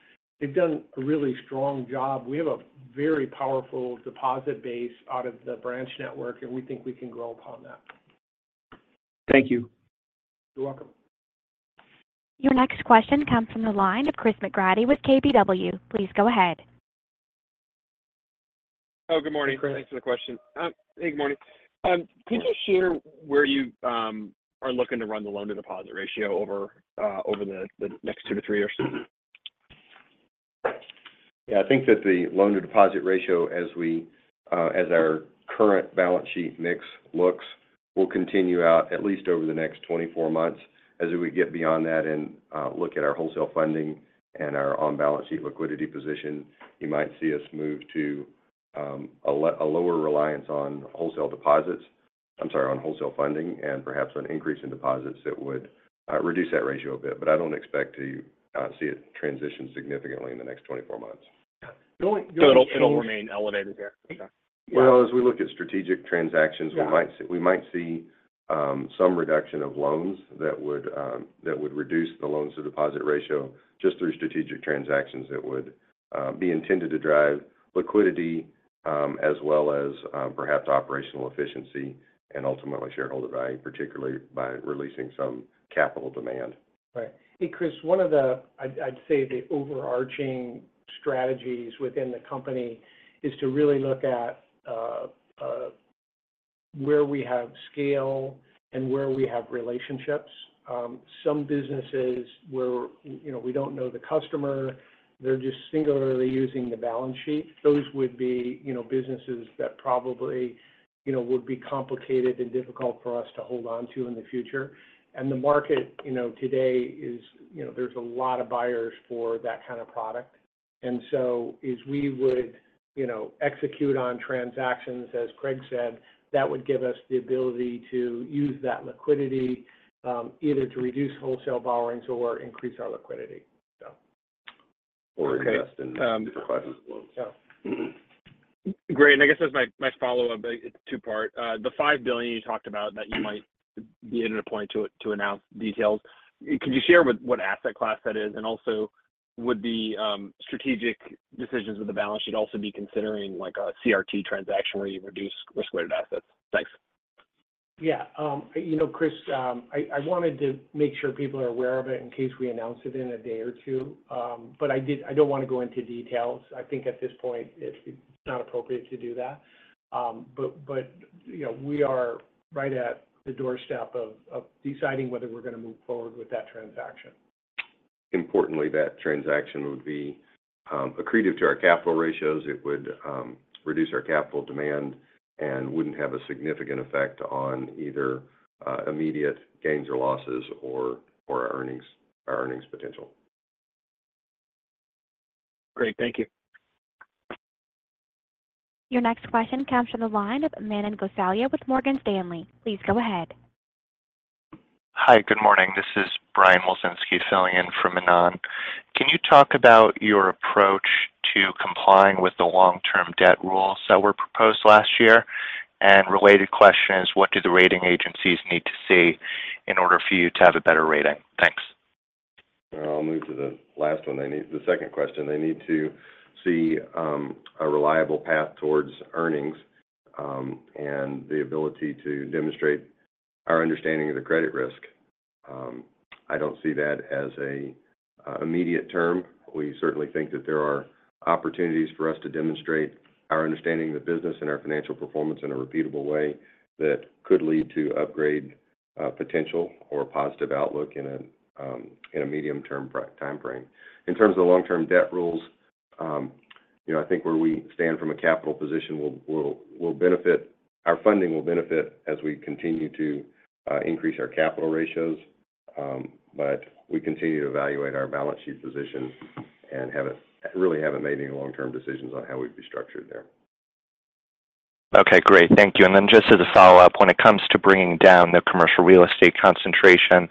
They've done a really strong job. We have a very powerful deposit base out of the branch network, and we think we can grow upon that. Thank you. You're welcome. Your next question comes from the line of Chris McGratty with KBW. Please go ahead. Oh, good morning. Great. Thanks for the question. Hey, good morning. Could you share where you are looking to run the loan-to-deposit ratio over the next two to three years? Mm-hmm. Yeah, I think that the loan-to-deposit ratio, as we, as our current balance sheet mix looks, will continue out at least over the next 24 months. As we get beyond that and, look at our wholesale funding and our on-balance sheet liquidity position, you might see us move to, a lower reliance on wholesale funding and perhaps an increase in deposits that would, reduce that ratio a bit. But I don't expect to, see it transition significantly in the next 24 months. Yeah. Do you want- So it'll remain elevated there? Okay. Well, as we look at strategic transactions- Yeah... we might see, we might see, some reduction of loans that would, that would reduce the loan-to-deposit ratio just through strategic transactions that would, be intended to drive liquidity, as well as, perhaps operational efficiency and ultimately shareholder value, particularly by releasing some capital demand. Right. And Chris, one of the, I'd, I'd say, the overarching strategies within the company is to really look at, where we have scale and where we have relationships. Some businesses where, you know, we don't know the customer, they're just singularly using the balance sheet. Those would be, you know, businesses that probably, you know, would be complicated and difficult for us to hold on to in the future. And the market, you know, today is, you know, there's a lot of buyers for that kind of product. And so as we would, you know, execute on transactions, as Craig said, that would give us the ability to use that liquidity, either to reduce wholesale borrowings or increase our liquidity. So. Or invest in- Okay. Um- Requirements. Yeah. Mm-hmm. Great. And I guess that's my follow-up, but it's two-part. The $5 billion you talked about that you might be in a position to announce details, could you share what asset class that is? And also, would the strategic decisions of the balance sheet also be considering like a CRT transaction where you reduce risk-weighted assets? Thanks. Yeah. You know, Chris, I wanted to make sure people are aware of it in case we announce it in a day or two. But I don't want to go into details. I think at this point, it's not appropriate to do that. But you know, we are right at the doorstep of deciding whether we're going to move forward with that transaction. Importantly, that transaction would be accretive to our capital ratios. It would reduce our capital demand and wouldn't have a significant effect on either immediate gains or losses or earnings, our earnings potential. Great. Thank you. Your next question comes from the line of Manan Gosalia with Morgan Stanley. Please go ahead. Hi, good morning. This is Brian Wilczynski filling in for Manan. Can you talk about your approach to complying with the long-term debt rules that were proposed last year? And related question is, what do the rating agencies need to see in order for you to have a better rating? Thanks. I'll move to the last one. The second question, they need to see a reliable path towards earnings, and the ability to demonstrate our understanding of the credit risk. I don't see that as an immediate term. We certainly think that there are opportunities for us to demonstrate our understanding of the business and our financial performance in a repeatable way that could lead to upgrade potential or positive outlook in a medium-term time frame. In terms of the long-term debt rules. You know, I think where we stand from a capital position will benefit our funding as we continue to increase our capital ratios. But we continue to evaluate our balance sheet position and haven't really made any long-term decisions on how we'd be structured there. Okay, great. Thank you. And then just as a follow-up, when it comes to bringing down the commercial real estate concentration,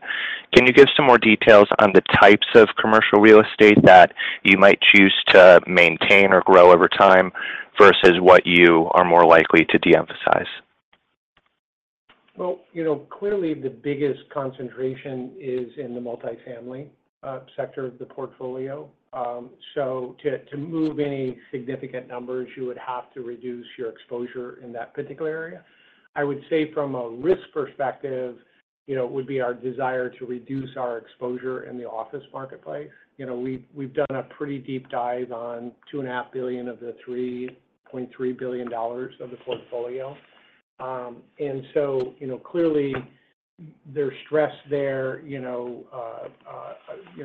can you give some more details on the types of commercial real estate that you might choose to maintain or grow over time versus what you are more likely to de-emphasize? Well, you know, clearly the biggest concentration is in the multifamily sector of the portfolio. So to move any significant numbers, you would have to reduce your exposure in that particular area. I would say from a risk perspective, you know, it would be our desire to reduce our exposure in the office marketplace. You know, we've done a pretty deep dive on $2.5 billion of the $3.3 billion of the portfolio. And so, you know, clearly, there's stress there, you know,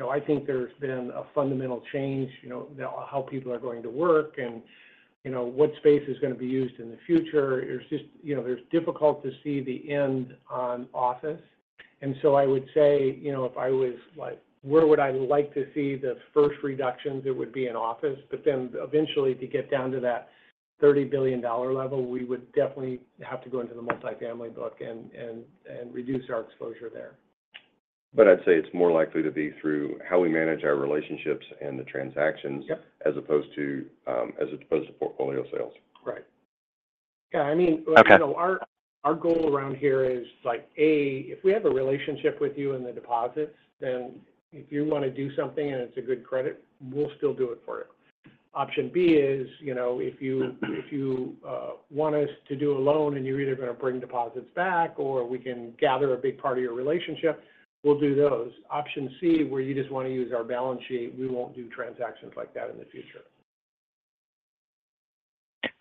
I think there's been a fundamental change, you know, how people are going to work and, you know, what space is going to be used in the future. It's just... You know, it's difficult to see the end on office. So I would say, you know, if I was like, where would I like to see the first reductions? It would be in office. But then eventually, to get down to that $30 billion level, we would definitely have to go into the multifamily book and reduce our exposure there. But I'd say it's more likely to be through how we manage our relationships and the transactions- Yep. —as opposed to, as opposed to portfolio sales. Right. Yeah, I mean- Okay. Our, our goal around here is like, A, if we have a relationship with you in the deposits, then if you want to do something and it's a good credit, we'll still do it for you. Option B is, you know, if you, if you want us to do a loan and you're either going to bring deposits back or we can gather a big part of your relationship, we'll do those. Option C, where you just want to use our balance sheet, we won't do transactions like that in the future.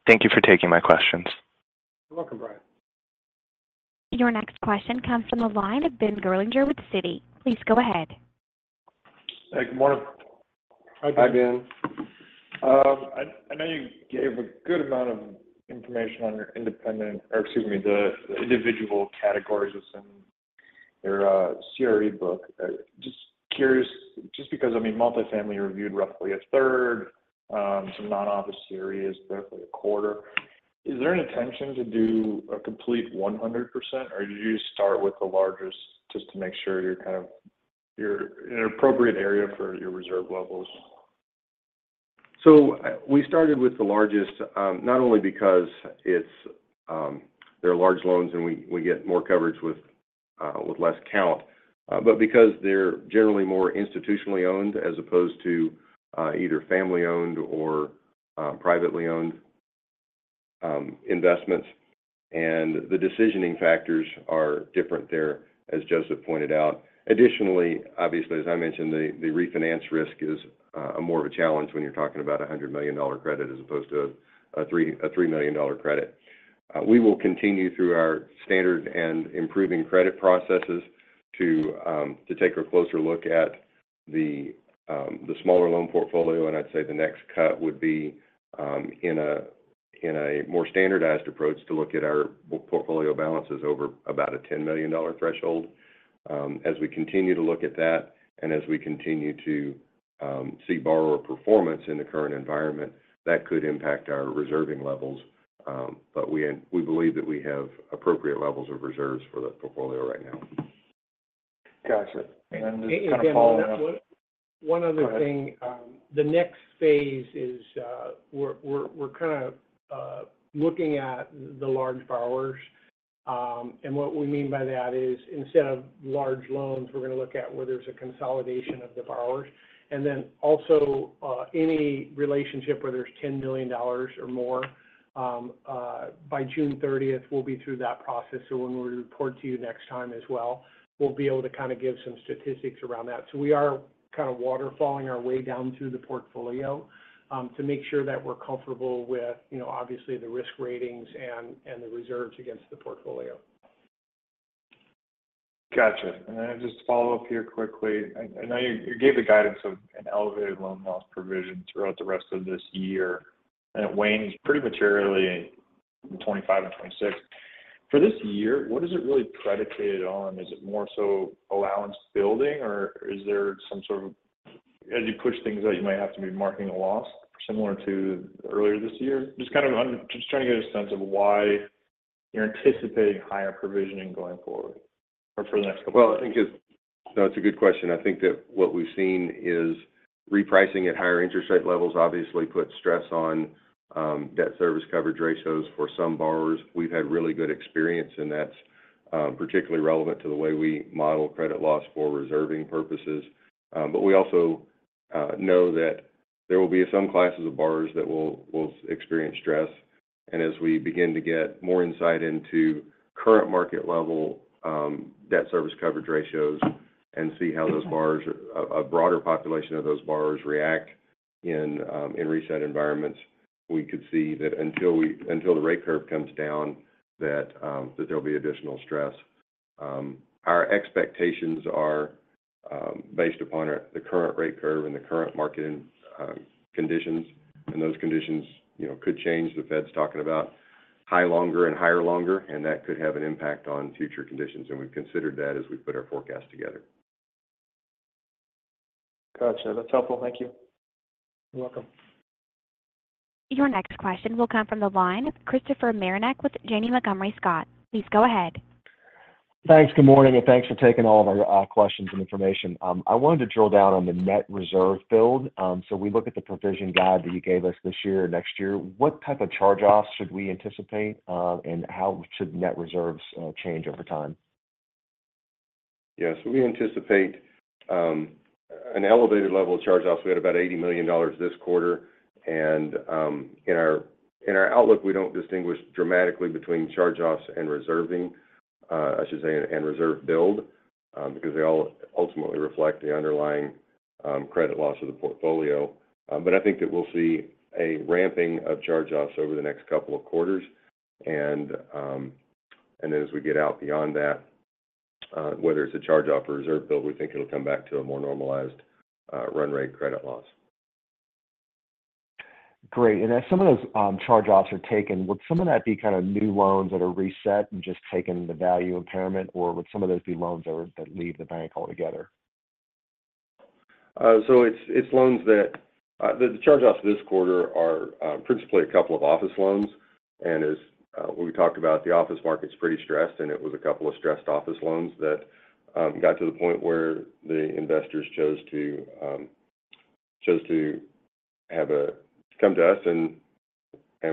Thank you for taking my questions. You're welcome, Brian. Your next question comes from the line of Ben Gerlinger with Citi. Please go ahead. Hey, good morning. Hi, Ben. Hi, Ben. I know you gave a good amount of information on your independent, or excuse me, the individual categories of some, your, CRE book. Just curious, just because, I mean, multifamily reviewed roughly a third, some non-office CRE is definitely a quarter. Is there an intention to do a complete 100%, or did you just start with the largest just to make sure you're kind of in an appropriate area for your reserve levels? So we started with the largest, not only because it's they're large loans and we get more coverage with fewer accounts, but because they're generally more institutionally owned as opposed to either family-owned or privately owned investments. The decisioning factors are different there, as Joseph pointed out. Additionally, obviously, as I mentioned, the refinance risk is more of a challenge when you're talking about a $100 million credit as opposed to a $3 million credit. We will continue through our standard and improving credit processes to take a closer look at the smaller loan portfolio, and I'd say the next cut would be in a more standardized approach to look at our portfolio balances over about a $10 million threshold. As we continue to look at that and as we continue to see borrower performance in the current environment, that could impact our reserving levels. But we believe that we have appropriate levels of reserves for the portfolio right now. Gotcha. And just kind of following up- One other thing. Go ahead. The next phase is, we're kind of looking at the large borrowers. And what we mean by that is instead of large loans, we're going to look at where there's a consolidation of the borrowers. And then also, any relationship where there's $10 million or more, by June thirtieth, we'll be through that process. So when we report to you next time as well, we'll be able to kind of give some statistics around that. So we are kind of waterfalling our way down through the portfolio, to make sure that we're comfortable with, you know, obviously, the risk ratings and, and the reserves against the portfolio. Gotcha. And then just follow up here quickly. I know you gave the guidance of an elevated loan loss provision throughout the rest of this year, and it wanes pretty materially in 2025 and 2026. For this year, what is it really predicated on? Is it more so allowance building, or is there some sort of, as you push things out, you might have to be marking a loss similar to earlier this year? Just kind of, I'm just trying to get a sense of why you're anticipating higher provisioning going forward or for the next couple years. Well, I think it's... No, it's a good question. I think that what we've seen is repricing at higher interest rate levels obviously put stress on debt service coverage ratios for some borrowers. We've had really good experience, and that's particularly relevant to the way we model credit loss for reserving purposes. But we also know that there will be some classes of borrowers that will experience stress. And as we begin to get more insight into current market level debt service coverage ratios and see how those borrowers, a broader population of those borrowers react in reset environments, we could see that until the rate curve comes down, that there'll be additional stress. Our expectations are based upon the current rate curve and the current market conditions. Those conditions, you know, could change. The Fed's talking about higher for longer, and that could have an impact on future conditions, and we've considered that as we put our forecast together. Got you. That's helpful. Thank you. You're welcome. Your next question will come from the line of Christopher Marinac with Janney Montgomery Scott. Please go ahead. Thanks. Good morning, and thanks for taking all of our questions and information. I wanted to drill down on the net reserve build. So we look at the provision guide that you gave us this year and next year. What type of charge-offs should we anticipate, and how should net reserves change over time? Yes, we anticipate an elevated level of charge-offs. We had about $80 million this quarter, and in our outlook, we don't distinguish dramatically between charge-offs and reserving. I should say, and reserve build, because they all ultimately reflect the underlying credit loss of the portfolio. But I think that we'll see a ramping of charge-offs over the next couple of quarters. And then as we get out beyond that, whether it's a charge-off or reserve build, we think it'll come back to a more normalized run rate credit loss. Great. And as some of those charge-offs are taken, would some of that be kind of new loans that are reset and just taking the value impairment, or would some of those be loans that leave the bank altogether? So it's loans that the charge-offs this quarter are principally a couple of office loans, and as we talked about, the office market's pretty stressed, and it was a couple of stressed office loans that got to the point where the investors chose to have a-- come to us, and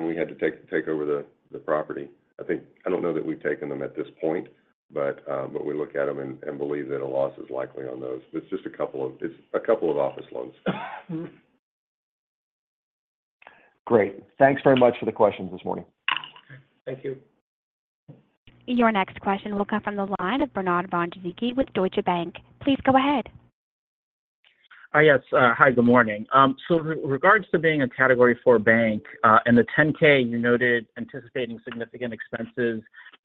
we had to take over the property. I think... I don't know that we've taken them at this point, but we look at them and believe that a loss is likely on those. It's just a couple of office loans. Great. Thanks very much for the questions this morning. Thank you. Your next question will come from the line of Bernard Von Gizycki with Deutsche Bank. Please go ahead. Hi, yes. Hi, good morning. So regarding being a Category IV bank, in the 10-K, you noted anticipating significant expenses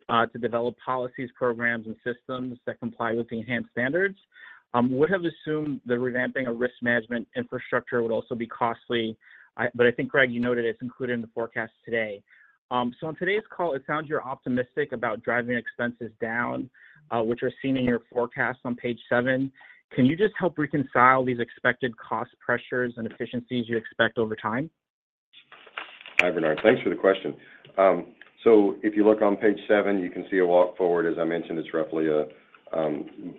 to develop policies, programs, and systems that comply with the enhanced standards. Would have assumed the revamping of risk management infrastructure would also be costly, but I think, Craig, you noted it's included in the forecast today. So on today's call, it sounds you're optimistic about driving expenses down, which are seen in your forecast on page 7. Can you just help reconcile these expected cost pressures and efficiencies you expect over time? Hi, Bernard. Thanks for the question. So if you look on page 7, you can see a walk forward. As I mentioned, it's roughly a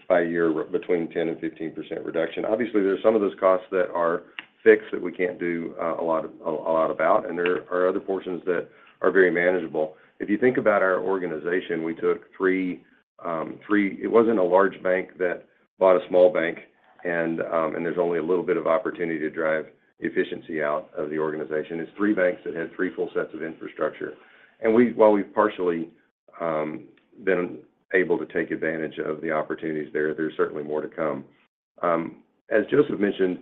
by year, between 10%-15% reduction. Obviously, there are some of those costs that are fixed that we can't do a lot of, a lot about, and there are other portions that are very manageable. If you think about our organization, we took three—it wasn't a large bank that bought a small bank, and there's only a little bit of opportunity to drive efficiency out of the organization. It's three banks that had three full sets of infrastructure. While we've partially been able to take advantage of the opportunities there, there's certainly more to come. As Joseph mentioned,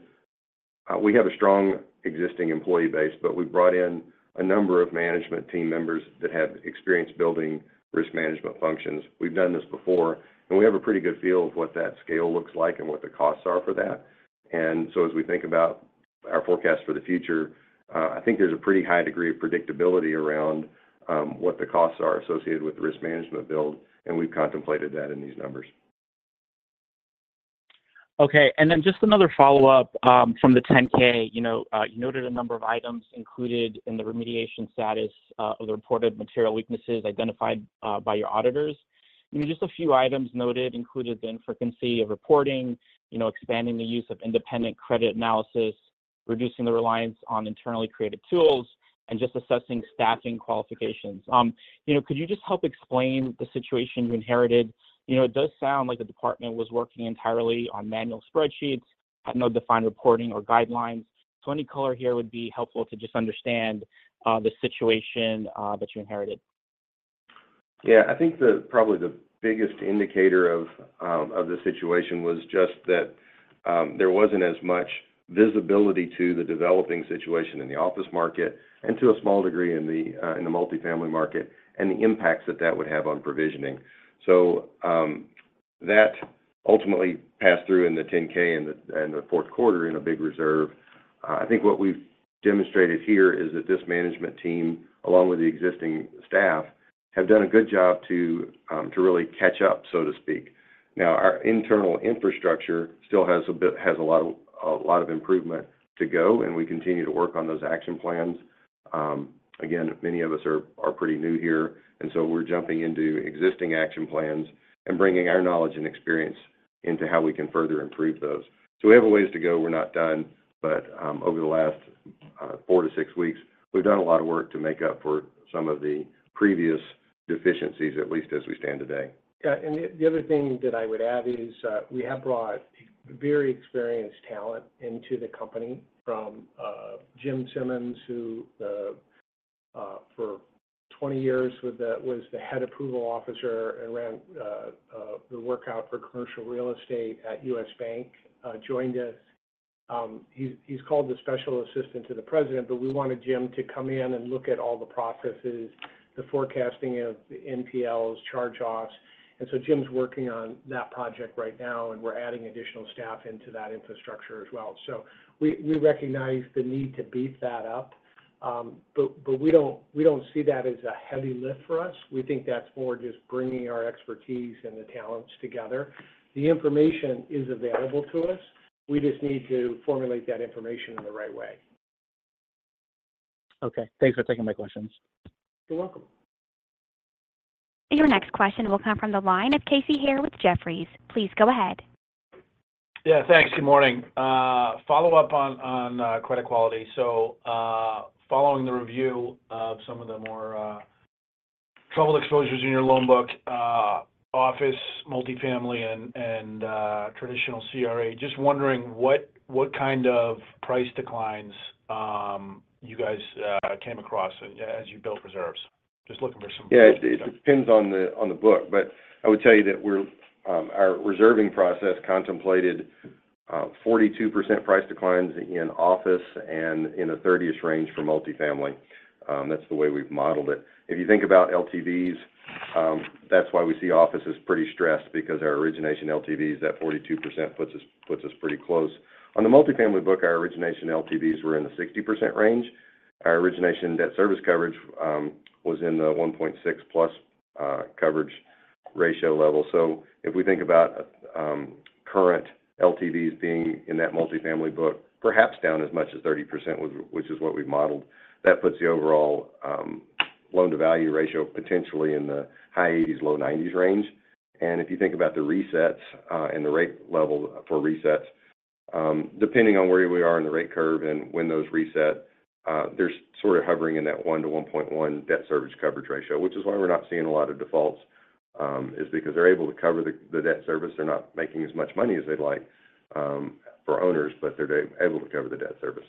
we have a strong existing employee base, but we brought in a number of management team members that have experience building risk management functions. We've done this before, and we have a pretty good feel of what that scale looks like and what the costs are for that. And so as we think about our forecast for the future, I think there's a pretty high degree of predictability around what the costs are associated with the risk management build, and we've contemplated that in these numbers. Okay. And then just another follow-up from the 10-K. You know, you noted a number of items included in the remediation status of the reported material weaknesses identified by your auditors. Just a few items noted included the frequency of reporting, you know, expanding the use of independent credit analysis, reducing the reliance on internally created tools, and just assessing staffing qualifications. You know, could you just help explain the situation you inherited? You know, it does sound like the department was working entirely on manual spreadsheets, had no defined reporting or guidelines. So any color here would be helpful to just understand the situation that you inherited. Yeah, I think probably the biggest indicator of the situation was just that, there wasn't as much visibility to the developing situation in the office market and to a small degree in the multifamily market, and the impacts that that would have on provisioning. So, that ultimately passed through in the 10-K and the fourth quarter in a big reserve. I think what we've demonstrated here is that this management team, along with the existing staff, have done a good job to really catch up, so to speak. Now, our internal infrastructure still has a lot of improvement to go, and we continue to work on those action plans. Again, many of us are pretty new here, and so we're jumping into existing action plans and bringing our knowledge and experience into how we can further improve those. So we have a ways to go. We're not done, but over the last 4-6 weeks, we've done a lot of work to make up for some of the previous deficiencies, at least as we stand today. Yeah, and the other thing that I would add is, we have brought very experienced talent into the company, from Jim Simmons, who for 20 years with that was the head approval officer and ran the workout for commercial real estate at U.S. Bank, joined us. He is called the Special Assistant to the President, but we wanted Jim to come in and look at all the processes, the forecasting of the NPLs, charge-offs. And so Jim's working on that project right now, and we're adding additional staff into that infrastructure as well. So we recognize the need to beef that up, but we don't see that as a heavy lift for us. We think that's more just bringing our expertise and the talents together. The information is available to us. We just need to formulate that information in the right way. Okay, thanks for taking my questions. You're welcome. Your next question will come from the line of Casey Haire with Jefferies. Please go ahead. Yeah, thanks. Good morning. Follow-up on credit quality. So, following the review of some of the more troubled exposures in your loan book, office, multifamily, and traditional CRA, just wondering what kind of price declines you guys came across as you built reserves? Just looking for some- Yeah, it depends on the book, but I would tell you that our reserving process contemplated 42% price declines in office and in the 30% range for multifamily. That's the way we've modeled it. If you think about LTVs, that's why we see office as pretty stressed because our origination LTV is at 42%, puts us pretty close. On the multifamily book, our origination LTVs were in the 60% range. Our origination debt service coverage was in the 1.6+ coverage ratio level. So if we think about current LTVs being in that multifamily book, perhaps down as much as 30%, which is what we've modeled, that puts the overall loan-to-value ratio potentially in the high 80s-low 90s range. If you think about the resets, and the rate level for resets, depending on where we are in the rate curve and when those reset, they're sort of hovering in that 1-1.1 debt service coverage ratio. Which is why we're not seeing a lot of defaults, is because they're able to cover the, the debt service. They're not making as much money as they'd like, for owners, but they're able to cover the debt service.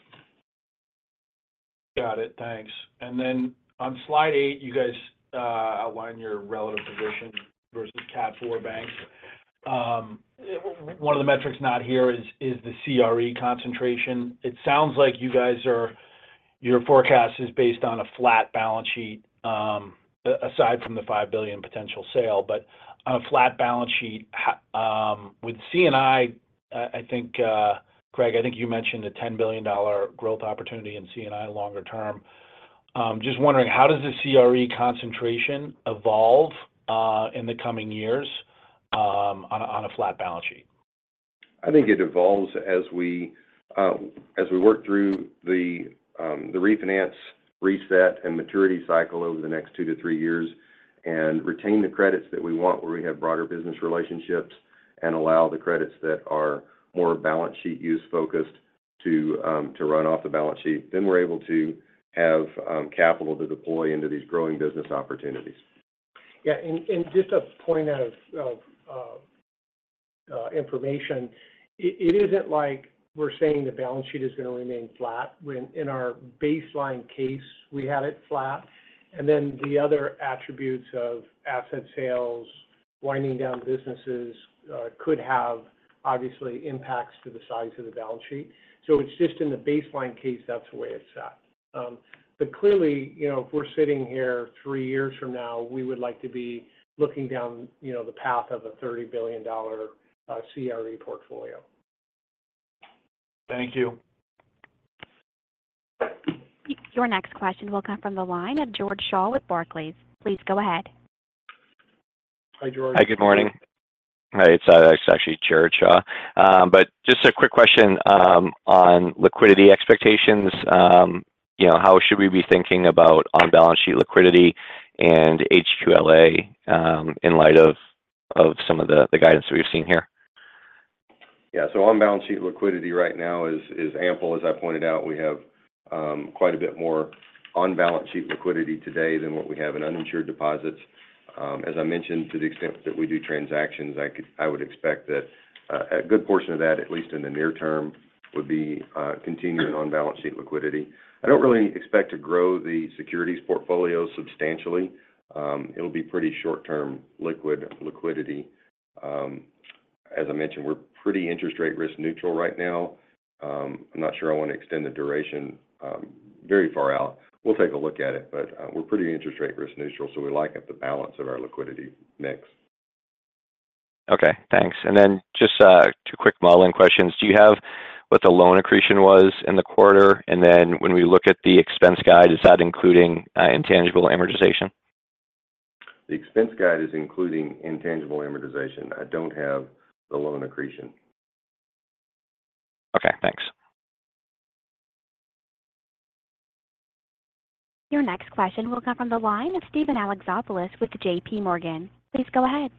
Got it. Thanks. Then on slide 8, you guys outline your relative position versus Category IV banks. One of the metrics not here is the CRE concentration. It sounds like you guys are—your forecast is based on a flat balance sheet, aside from the $5 billion potential sale, but on a flat balance sheet, how—with C&I, I think, Craig, I think you mentioned a $10 billion growth opportunity in C&I longer term. Just wondering, how does the CRE concentration evolve in the coming years, on a flat balance sheet? I think it evolves as we work through the refinance, reset, and maturity cycle over the next 2-3 years and retain the credits that we want, where we have broader business relationships and allow the credits that are more balance sheet use-focused to run off the balance sheet. Then we're able to have capital to deploy into these growing business opportunities. Yeah, and just a point out of information. It isn't like we're saying the balance sheet is going to remain flat. When in our baseline case, we had it flat, and then the other attributes of asset sales, winding down businesses, could have obviously impacts to the size of the balance sheet. So it's just in the baseline case, that's the way it's set. But clearly, you know, if we're sitting here three years from now, we would like to be looking down, you know, the path of a $30 billion CRE portfolio. Thank you. Your next question will come from the line of George Shaw with Barclays. Please go ahead. Hi, George. Hi, good morning. Hi, it's actually Jared Shaw. But just a quick question on liquidity expectations. You know, how should we be thinking about on-balance sheet liquidity and HQLA in light of some of the guidance that we've seen here? Yeah. So on-balance sheet liquidity right now is ample. As I pointed out, we have quite a bit more on-balance sheet liquidity today than what we have in uninsured deposits. As I mentioned, to the extent that we do transactions, I would expect that a good portion of that, at least in the near term, would be continued on-balance sheet liquidity. I don't really expect to grow the securities portfolio substantially. It'll be pretty short-term liquidity. As I mentioned, we're pretty interest rate risk neutral right now. I'm not sure I want to extend the duration very far out. We'll take a look at it, but we're pretty interest rate risk neutral, so we like the balance of our liquidity mix. Okay, thanks. And then just two quick modeling questions. Do you have what the loan accretion was in the quarter? And then when we look at the expense guide, is that including intangible amortization? The expense guide is including intangible amortization. I don't have the loan accretion. Okay, thanks. Your next question will come from the line of Steven Alexopoulos with J.P. Morgan. Please go ahead.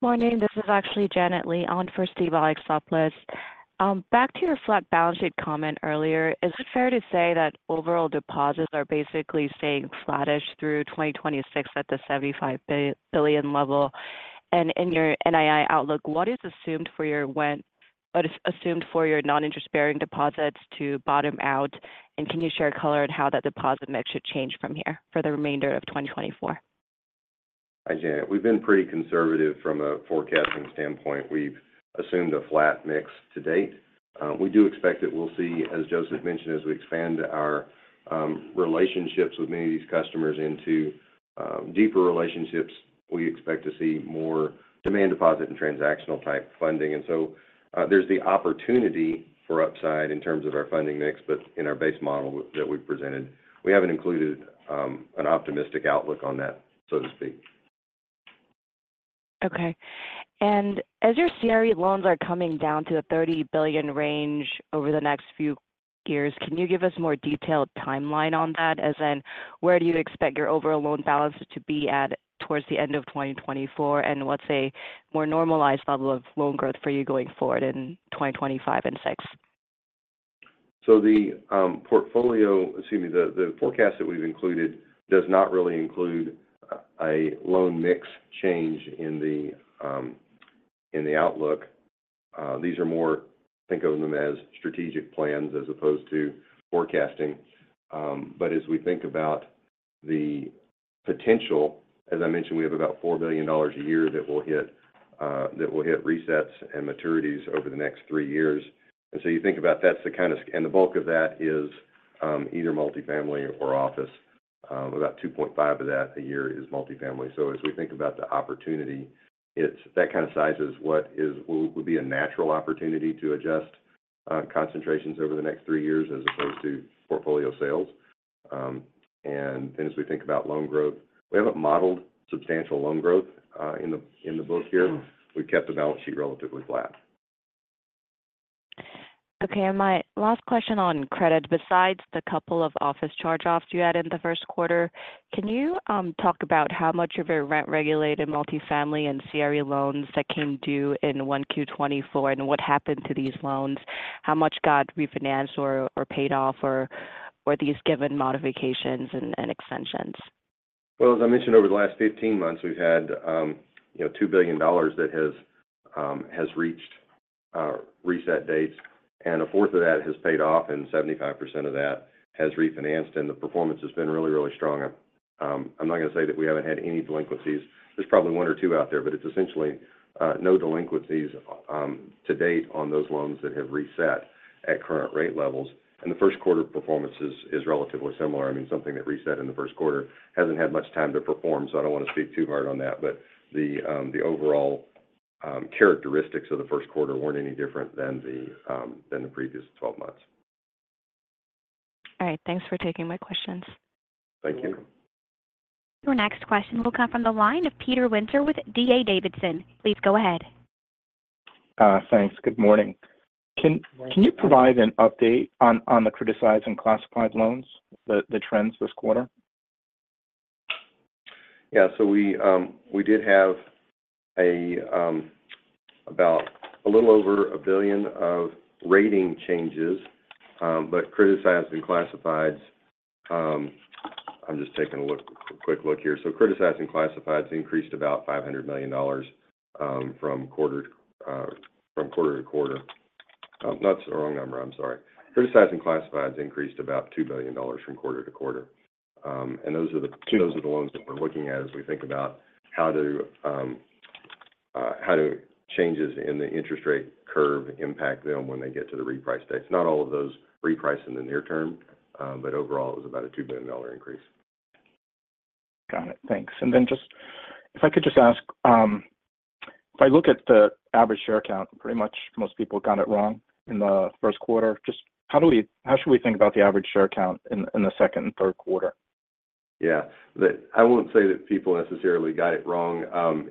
Morning, this is actually Janet Lee on for Steve Alexopoulos. Back to your flat balance sheet comment earlier, is it fair to say that overall deposits are basically staying flattish through 2026 at the $75 billion level? And in your NII outlook, what is assumed for your non-interest-bearing deposits to bottom out, and can you share color on how that deposit mix should change from here for the remainder of 2024?... Hi, Janet. We've been pretty conservative from a forecasting standpoint. We've assumed a flat mix to date. We do expect that we'll see, as Joseph mentioned, as we expand our relationships with many of these customers into deeper relationships, we expect to see more demand deposit and transactional-type funding. And so, there's the opportunity for upside in terms of our funding mix, but in our base model that we've presented, we haven't included an optimistic outlook on that, so to speak. Okay. And as your CRE loans are coming down to the $30 billion range over the next few years, can you give us more detailed timeline on that? As in, where do you expect your overall loan balance to be at towards the end of 2024, and what's a more normalized level of loan growth for you going forward in 2025 and 2026? So the portfolio, excuse me, the forecast that we've included does not really include a loan mix change in the outlook. These are more... think of them as strategic plans as opposed to forecasting. But as we think about the potential, as I mentioned, we have about $4 billion a year that will hit, that will hit resets and maturities over the next three years. And so you think about that, the kind of and the bulk of that is either multifamily or office. About 2.5 of that a year is multifamily. So as we think about the opportunity, it's that kind of size is what will be a natural opportunity to adjust concentrations over the next three years as opposed to portfolio sales. And then as we think about loan growth, we haven't modeled substantial loan growth in the book here. We've kept the balance sheet relatively flat. Okay, and my last question on credit. Besides the couple of office charge-offs you had in the first quarter, can you talk about how much of your rent-regulated multifamily and CRE loans that came due in 1Q2024, and what happened to these loans? How much got refinanced or paid off, or these given modifications and extensions? Well, as I mentioned, over the last 15 months, we've had, you know, $2 billion that has reached reset dates, and a fourth of that has paid off, and 75% of that has refinanced, and the performance has been really, really strong. I'm not going to say that we haven't had any delinquencies. There's probably 1 or 2 out there, but it's essentially no delinquencies to date on those loans that have reset at current rate levels. The first quarter performance is relatively similar. I mean, something that reset in the first quarter hasn't had much time to perform, so I don't want to speak too hard on that. But the overall characteristics of the first quarter weren't any different than the previous 12 months. All right. Thanks for taking my questions. Thank you. Your next question will come from the line of Peter Winter with D.A. Davidson. Please go ahead. Thanks. Good morning. Can you provide an update on the criticized and classified loans, the trends this quarter? Yeah. So we did have about a little over $1 billion of rating changes, but criticized and classifieds. I'm just taking a look, a quick look here. So criticized and classifieds increased about $500 million from quarter to quarter. That's the wrong number. I'm sorry. Criticized and classifieds increased about $2 billion from quarter to quarter. And those are the- Two- those are the loans that we're looking at as we think about how changes in the interest rate curve impact them when they get to the reprice dates. Not all of those reprice in the near term, but overall, it was about a $2 billion increase. Got it. Thanks. And then, just if I could just ask, if I look at the average share count, pretty much most people got it wrong in the first quarter. Just how do we, how should we think about the average share count in the second and third quarter? Yeah. I wouldn't say that people necessarily got it wrong.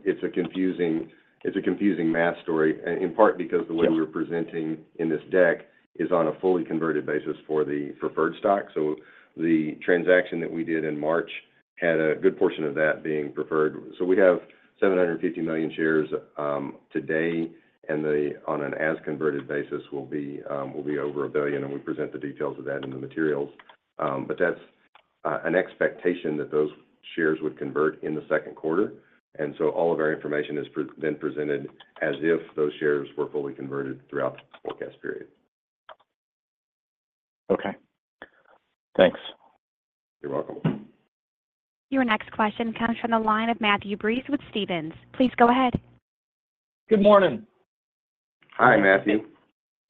It's a confusing math story, in part because- Yes... the way we're presenting in this deck is on a fully converted basis for the preferred stock. So the transaction that we did in March had a good portion of that being preferred. So we have 750 million shares, today, and the, on an as-converted basis, will be, will be over 1 billion, and we present the details of that in the materials. But that's, an expectation that those shares would convert in the second quarter, and so all of our information is then presented as if those shares were fully converted throughout the forecast period. Okay. Thanks. You're welcome. Your next question comes from the line of Matthew Breese with Stephens. Please go ahead. Good morning. Hi, Matthew.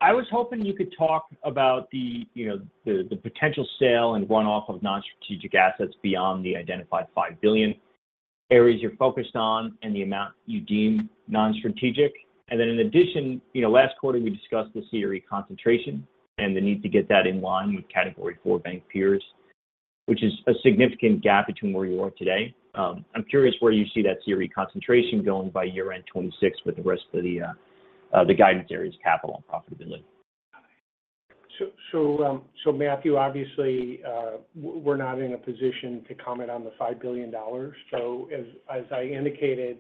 I was hoping you could talk about the, you know, the potential sale and one-off of non-strategic assets beyond the identified $5 billion, areas you're focused on and the amount you deem non-strategic. Then in addition, you know, last quarter, we discussed the CRE concentration and the need to get that in line with Category IV bank peers, which is a significant gap between where you are today. I'm curious where you see that CRE concentration going by year-end 2026 with the rest of the guidance areas, capital and profitability. Matthew, obviously, we're not in a position to comment on the $5 billion. So, as I indicated,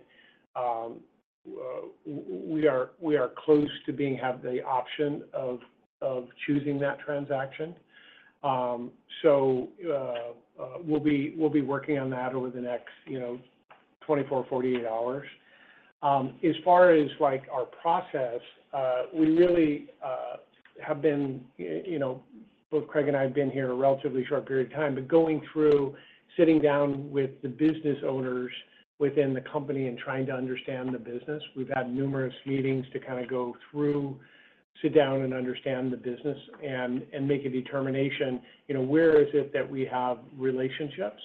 we are close to having the option of choosing that transaction. So, we'll be working on that over the next, you know, 24-48 hours.... as far as like our process, we really have been, you know, both Craig and I have been here a relatively short period of time, but going through, sitting down with the business owners within the company and trying to understand the business. We've had numerous meetings to kind of go through, sit down, and understand the business and make a determination, you know, where is it that we have relationships?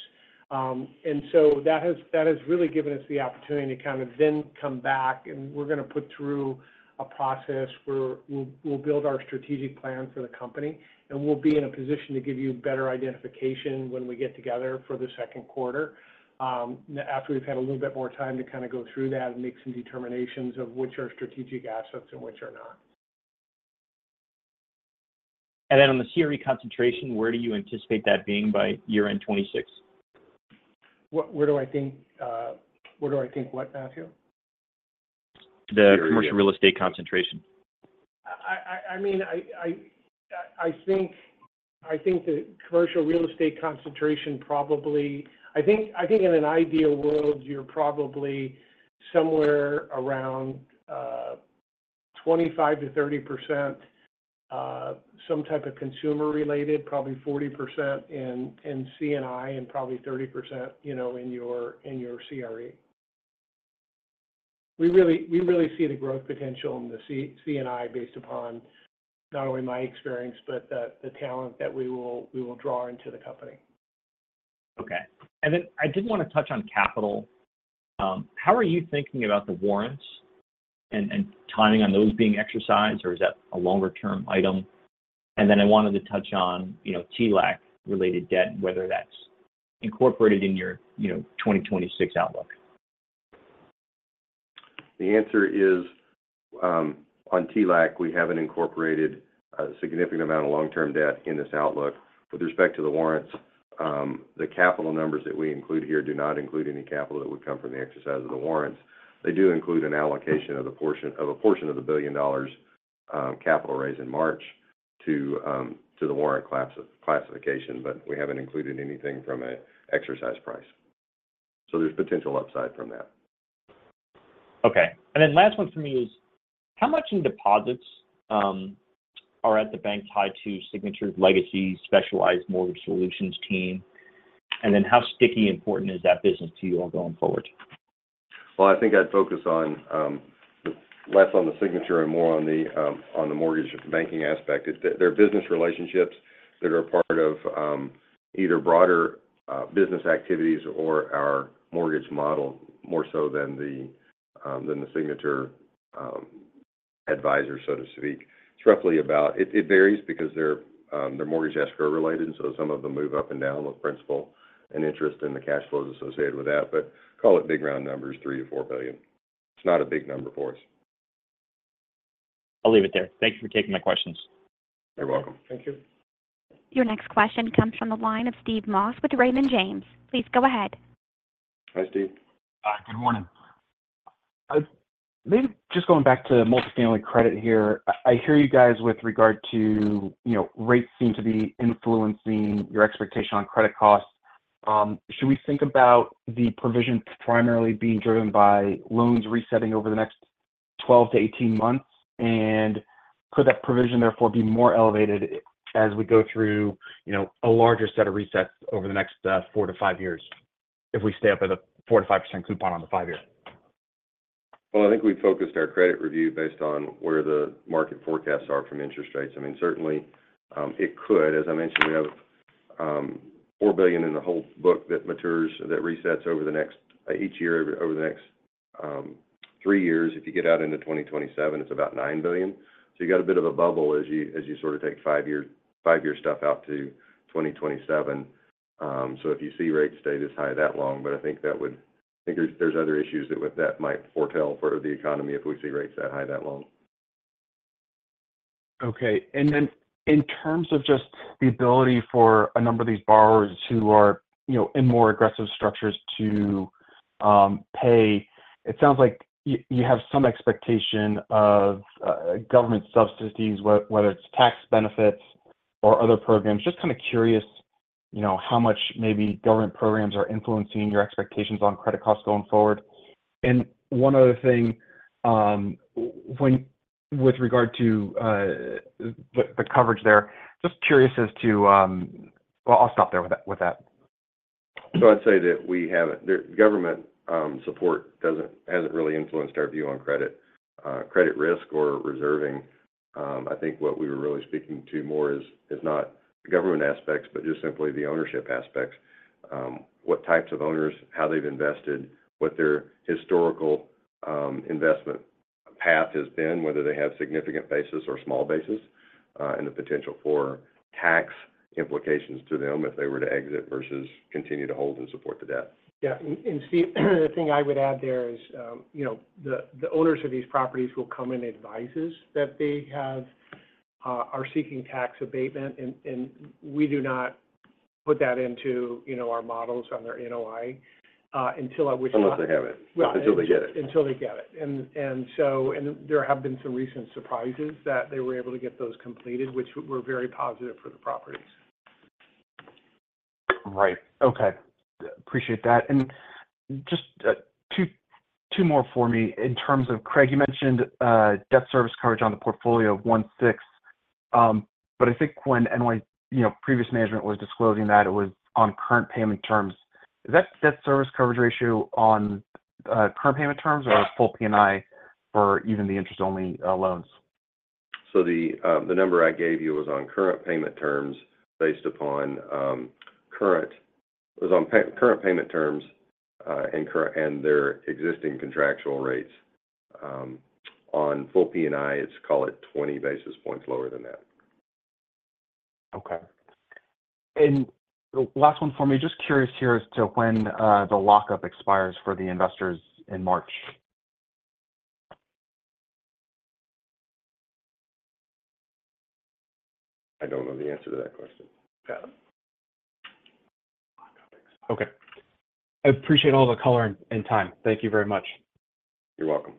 and so that has really given us the opportunity to kind of then come back, and we're going to put through a process where we'll build our strategic plan for the company, and we'll be in a position to give you better identification when we get together for the second quarter, after we've had a little bit more time to kind of go through that and make some determinations of which are strategic assets and which are not. On the CRE concentration, where do you anticipate that being by year-end 2026? Where do I think, Where do I think what, Matthew? The commercial real estate concentration. I mean, I think the commercial real estate concentration probably—I think in an ideal world, you're probably somewhere around 25%-30%, some type of consumer related, probably 40% in C&I, and probably 30%, you know, in your CRE. We really see the growth potential in the C&I based upon not only my experience, but the talent that we will draw into the company. Okay. Then I did want to touch on capital. How are you thinking about the warrants and timing on those being exercised, or is that a longer-term item? And then I wanted to touch on, you know, TLAC-related debt, whether that's incorporated in your, you know, 2026 outlook. The answer is, on TLAC, we haven't incorporated a significant amount of long-term debt in this outlook. With respect to the warrants, the capital numbers that we include here do not include any capital that would come from the exercise of the warrants. They do include an allocation of a portion of the $1 billion capital raise in March to the warrant classification, but we haven't included anything from an exercise price. So there's potential upside from that. Okay. And then last one for me is: How much in deposits are at the bank tied to Signature's legacy specialized mortgage solutions team? And then, how sticky important is that business to you all going forward? Well, I think I'd focus on less on the Signature and more on the on the mortgage banking aspect. They're business relationships that are part of either broader business activities or our mortgage model, more so than the than the Signature advisor, so to speak. It's roughly about... It varies because they're they're mortgage escrow related, so some of them move up and down with principal and interest in the cash flows associated with that. But call it big round numbers, $3 billion-$4 billion. It's not a big number for us. I'll leave it there. Thank you for taking my questions. You're welcome. Thank you. Your next question comes from the line of Steve Moss with Raymond James. Please go ahead. Hi, Steve. Hi, good morning. Maybe just going back to the multifamily credit here. I hear you guys with regard to, you know, rates seem to be influencing your expectation on credit costs. Should we think about the provisions primarily being driven by loans resetting over the next 12-18 months? And could that provision therefore be more elevated as we go through, you know, a larger set of resets over the next 4-5 years, if we stay up at a 4%-5% coupon on the five-year? Well, I think we focused our credit review based on where the market forecasts are from interest rates. I mean, certainly, it could. As I mentioned, we have $4 billion in the whole book that matures, that resets over the next—each year over the next 3 years. If you get out into 2027, it's about $9 billion. So you got a bit of a bubble as you, as you sort of take 5-year, 5-year stuff out to 2027. So if you see rates stay this high that long, but I think that would—I think there's, there's other issues that with that might foretell for the economy if we see rates that high that long. Okay. And then in terms of just the ability for a number of these borrowers who are, you know, in more aggressive structures to pay, it sounds like you have some expectation of government subsidies, whether it's tax benefits or other programs. Just kind of curious, you know, how much maybe government programs are influencing your expectations on credit costs going forward. And one other thing, with regard to the coverage there, just curious as to... Well, I'll stop there with that. So I'd say that we haven't the government support doesn't hasn't really influenced our view on credit credit risk or reserving. I think what we were really speaking to more is not the government aspects, but just simply the ownership aspects. What types of owners, how they've invested, what their historical investment path has been, whether they have significant bases or small bases, and the potential for tax implications to them if they were to exit versus continue to hold and support the debt. Yeah. And, Steve, the thing I would add there is, you know, the owners of these properties will come in and advise us that they have are seeking tax abatement, and we do not put that into, you know, our models on their NOI until I- Unless they have it. Well- Until they get it. Until they get it. And so, and there have been some recent surprises that they were able to get those completed, which were very positive for the properties.... Right. Okay, appreciate that. And just, two, two more for me. In terms of, Craig, you mentioned, debt service coverage on the portfolio of 1.6, but I think when NY, you know, previous management was disclosing that it was on current payment terms. Is that debt service coverage ratio on, current payment terms or full P&I for even the interest-only, loans? So the number I gave you was on current payment terms based upon current payment terms and their existing contractual rates. On full P&I, it's call it 20 basis points lower than that. Okay. And last one for me, just curious here as to when the lockup expires for the investors in March? I don't know the answer to that question. Got it. Okay. I appreciate all the color and time. Thank you very much. You're welcome.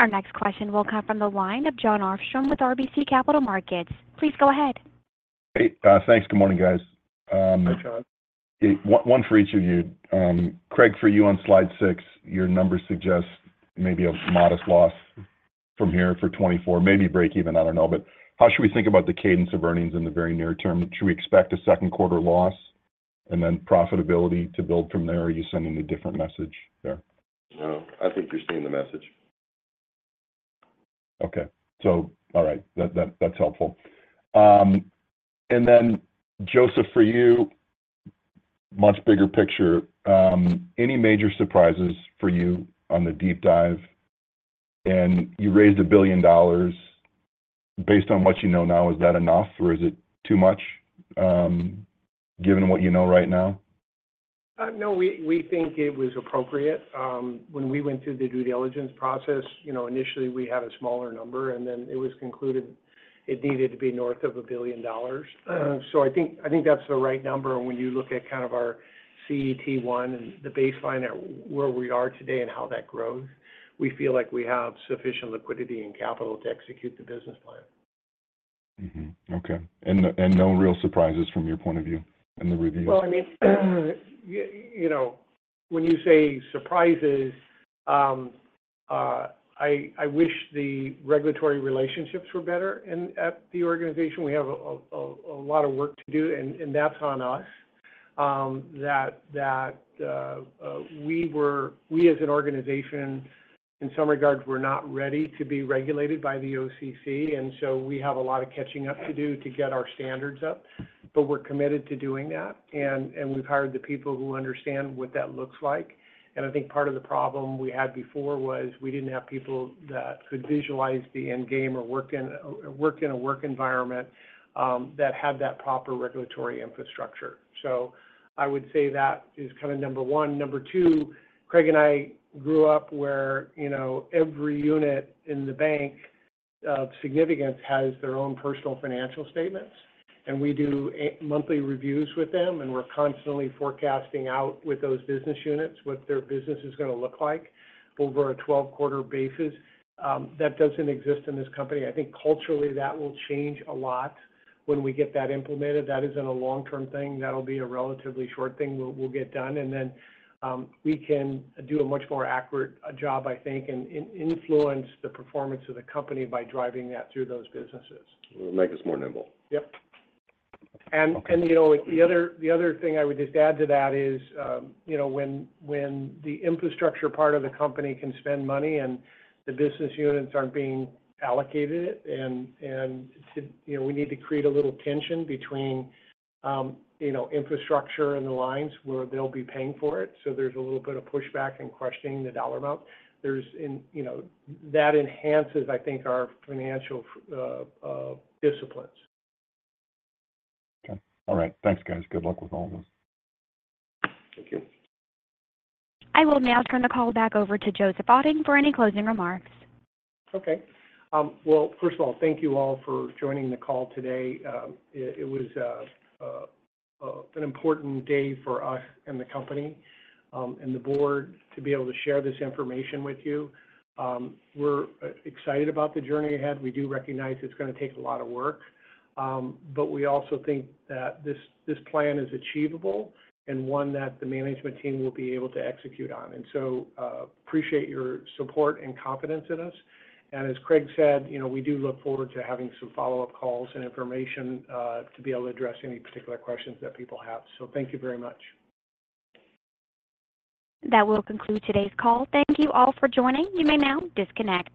Our next question will come from the line of Jon Arfstrom with RBC Capital Markets. Please go ahead. Hey, thanks. Good morning, guys. Hi, Jon. One, one for each of you. Craig, for you on slide six, your numbers suggest maybe a modest loss from here for 2024, maybe breakeven, I don't know. But how should we think about the cadence of earnings in the very near term? Should we expect a second quarter loss and then profitability to build from there, or are you sending a different message there? No, I think you're seeing the message. Okay. So all right, that's helpful. And then, Joseph, for you, much bigger picture, any major surprises for you on the deep dive? And you raised $1 billion. Based on what you know now, is that enough, or is it too much, given what you know right now? No, we think it was appropriate. When we went through the due diligence process, you know, initially we had a smaller number, and then it was concluded it needed to be north of $1 billion. So I think that's the right number. When you look at kind of our CET1 and the baseline at where we are today and how that grows, we feel like we have sufficient liquidity and capital to execute the business plan. Mm-hmm. Okay. And, and no real surprises from your point of view in the review? Well, I mean, you, you know, when you say surprises, I wish the regulatory relationships were better in-- at the organization. We have a lot of work to do, and that's on us. We as an organization, in some regards, were not ready to be regulated by the OCC, and so we have a lot of catching up to do to get our standards up. But we're committed to doing that, and we've hired the people who understand what that looks like. And I think part of the problem we had before was we didn't have people that could visualize the end game or work in a work environment that had that proper regulatory infrastructure. So I would say that is kind of number one. Number 2, Craig and I grew up where, you know, every unit in the bank of significance has their own personal financial statements, and we do a monthly reviews with them, and we're constantly forecasting out with those business units what their business is going to look like over a 12-quarter basis. That doesn't exist in this company. I think culturally, that will change a lot when we get that implemented. That isn't a long-term thing. That'll be a relatively short thing. We'll, we'll get done, and then, we can do a much more accurate job, I think, and, and influence the performance of the company by driving that through those businesses. It'll make us more nimble. Yep. And, and, you know, the other, the other thing I would just add to that is, you know, when, when the infrastructure part of the company can spend money and the business units aren't being allocated it, and, and, you know, we need to create a little tension between, you know, infrastructure and the lines where they'll be paying for it. So there's a little bit of pushback and questioning the dollar amount. You know, that enhances, I think, our financial disciplines. Okay. All right. Thanks, guys. Good luck with all this. Thank you. I will now turn the call back over to Joseph Otting for any closing remarks. Okay. Well, first of all, thank you all for joining the call today. It was an important day for us and the company, and the board to be able to share this information with you. We're excited about the journey ahead. We do recognize it's going to take a lot of work, but we also think that this plan is achievable and one that the management team will be able to execute on. And so, appreciate your support and confidence in us. And as Craig said, you know, we do look forward to having some follow-up calls and information, to be able to address any particular questions that people have. So thank you very much. That will conclude today's call. Thank you all for joining. You may now disconnect.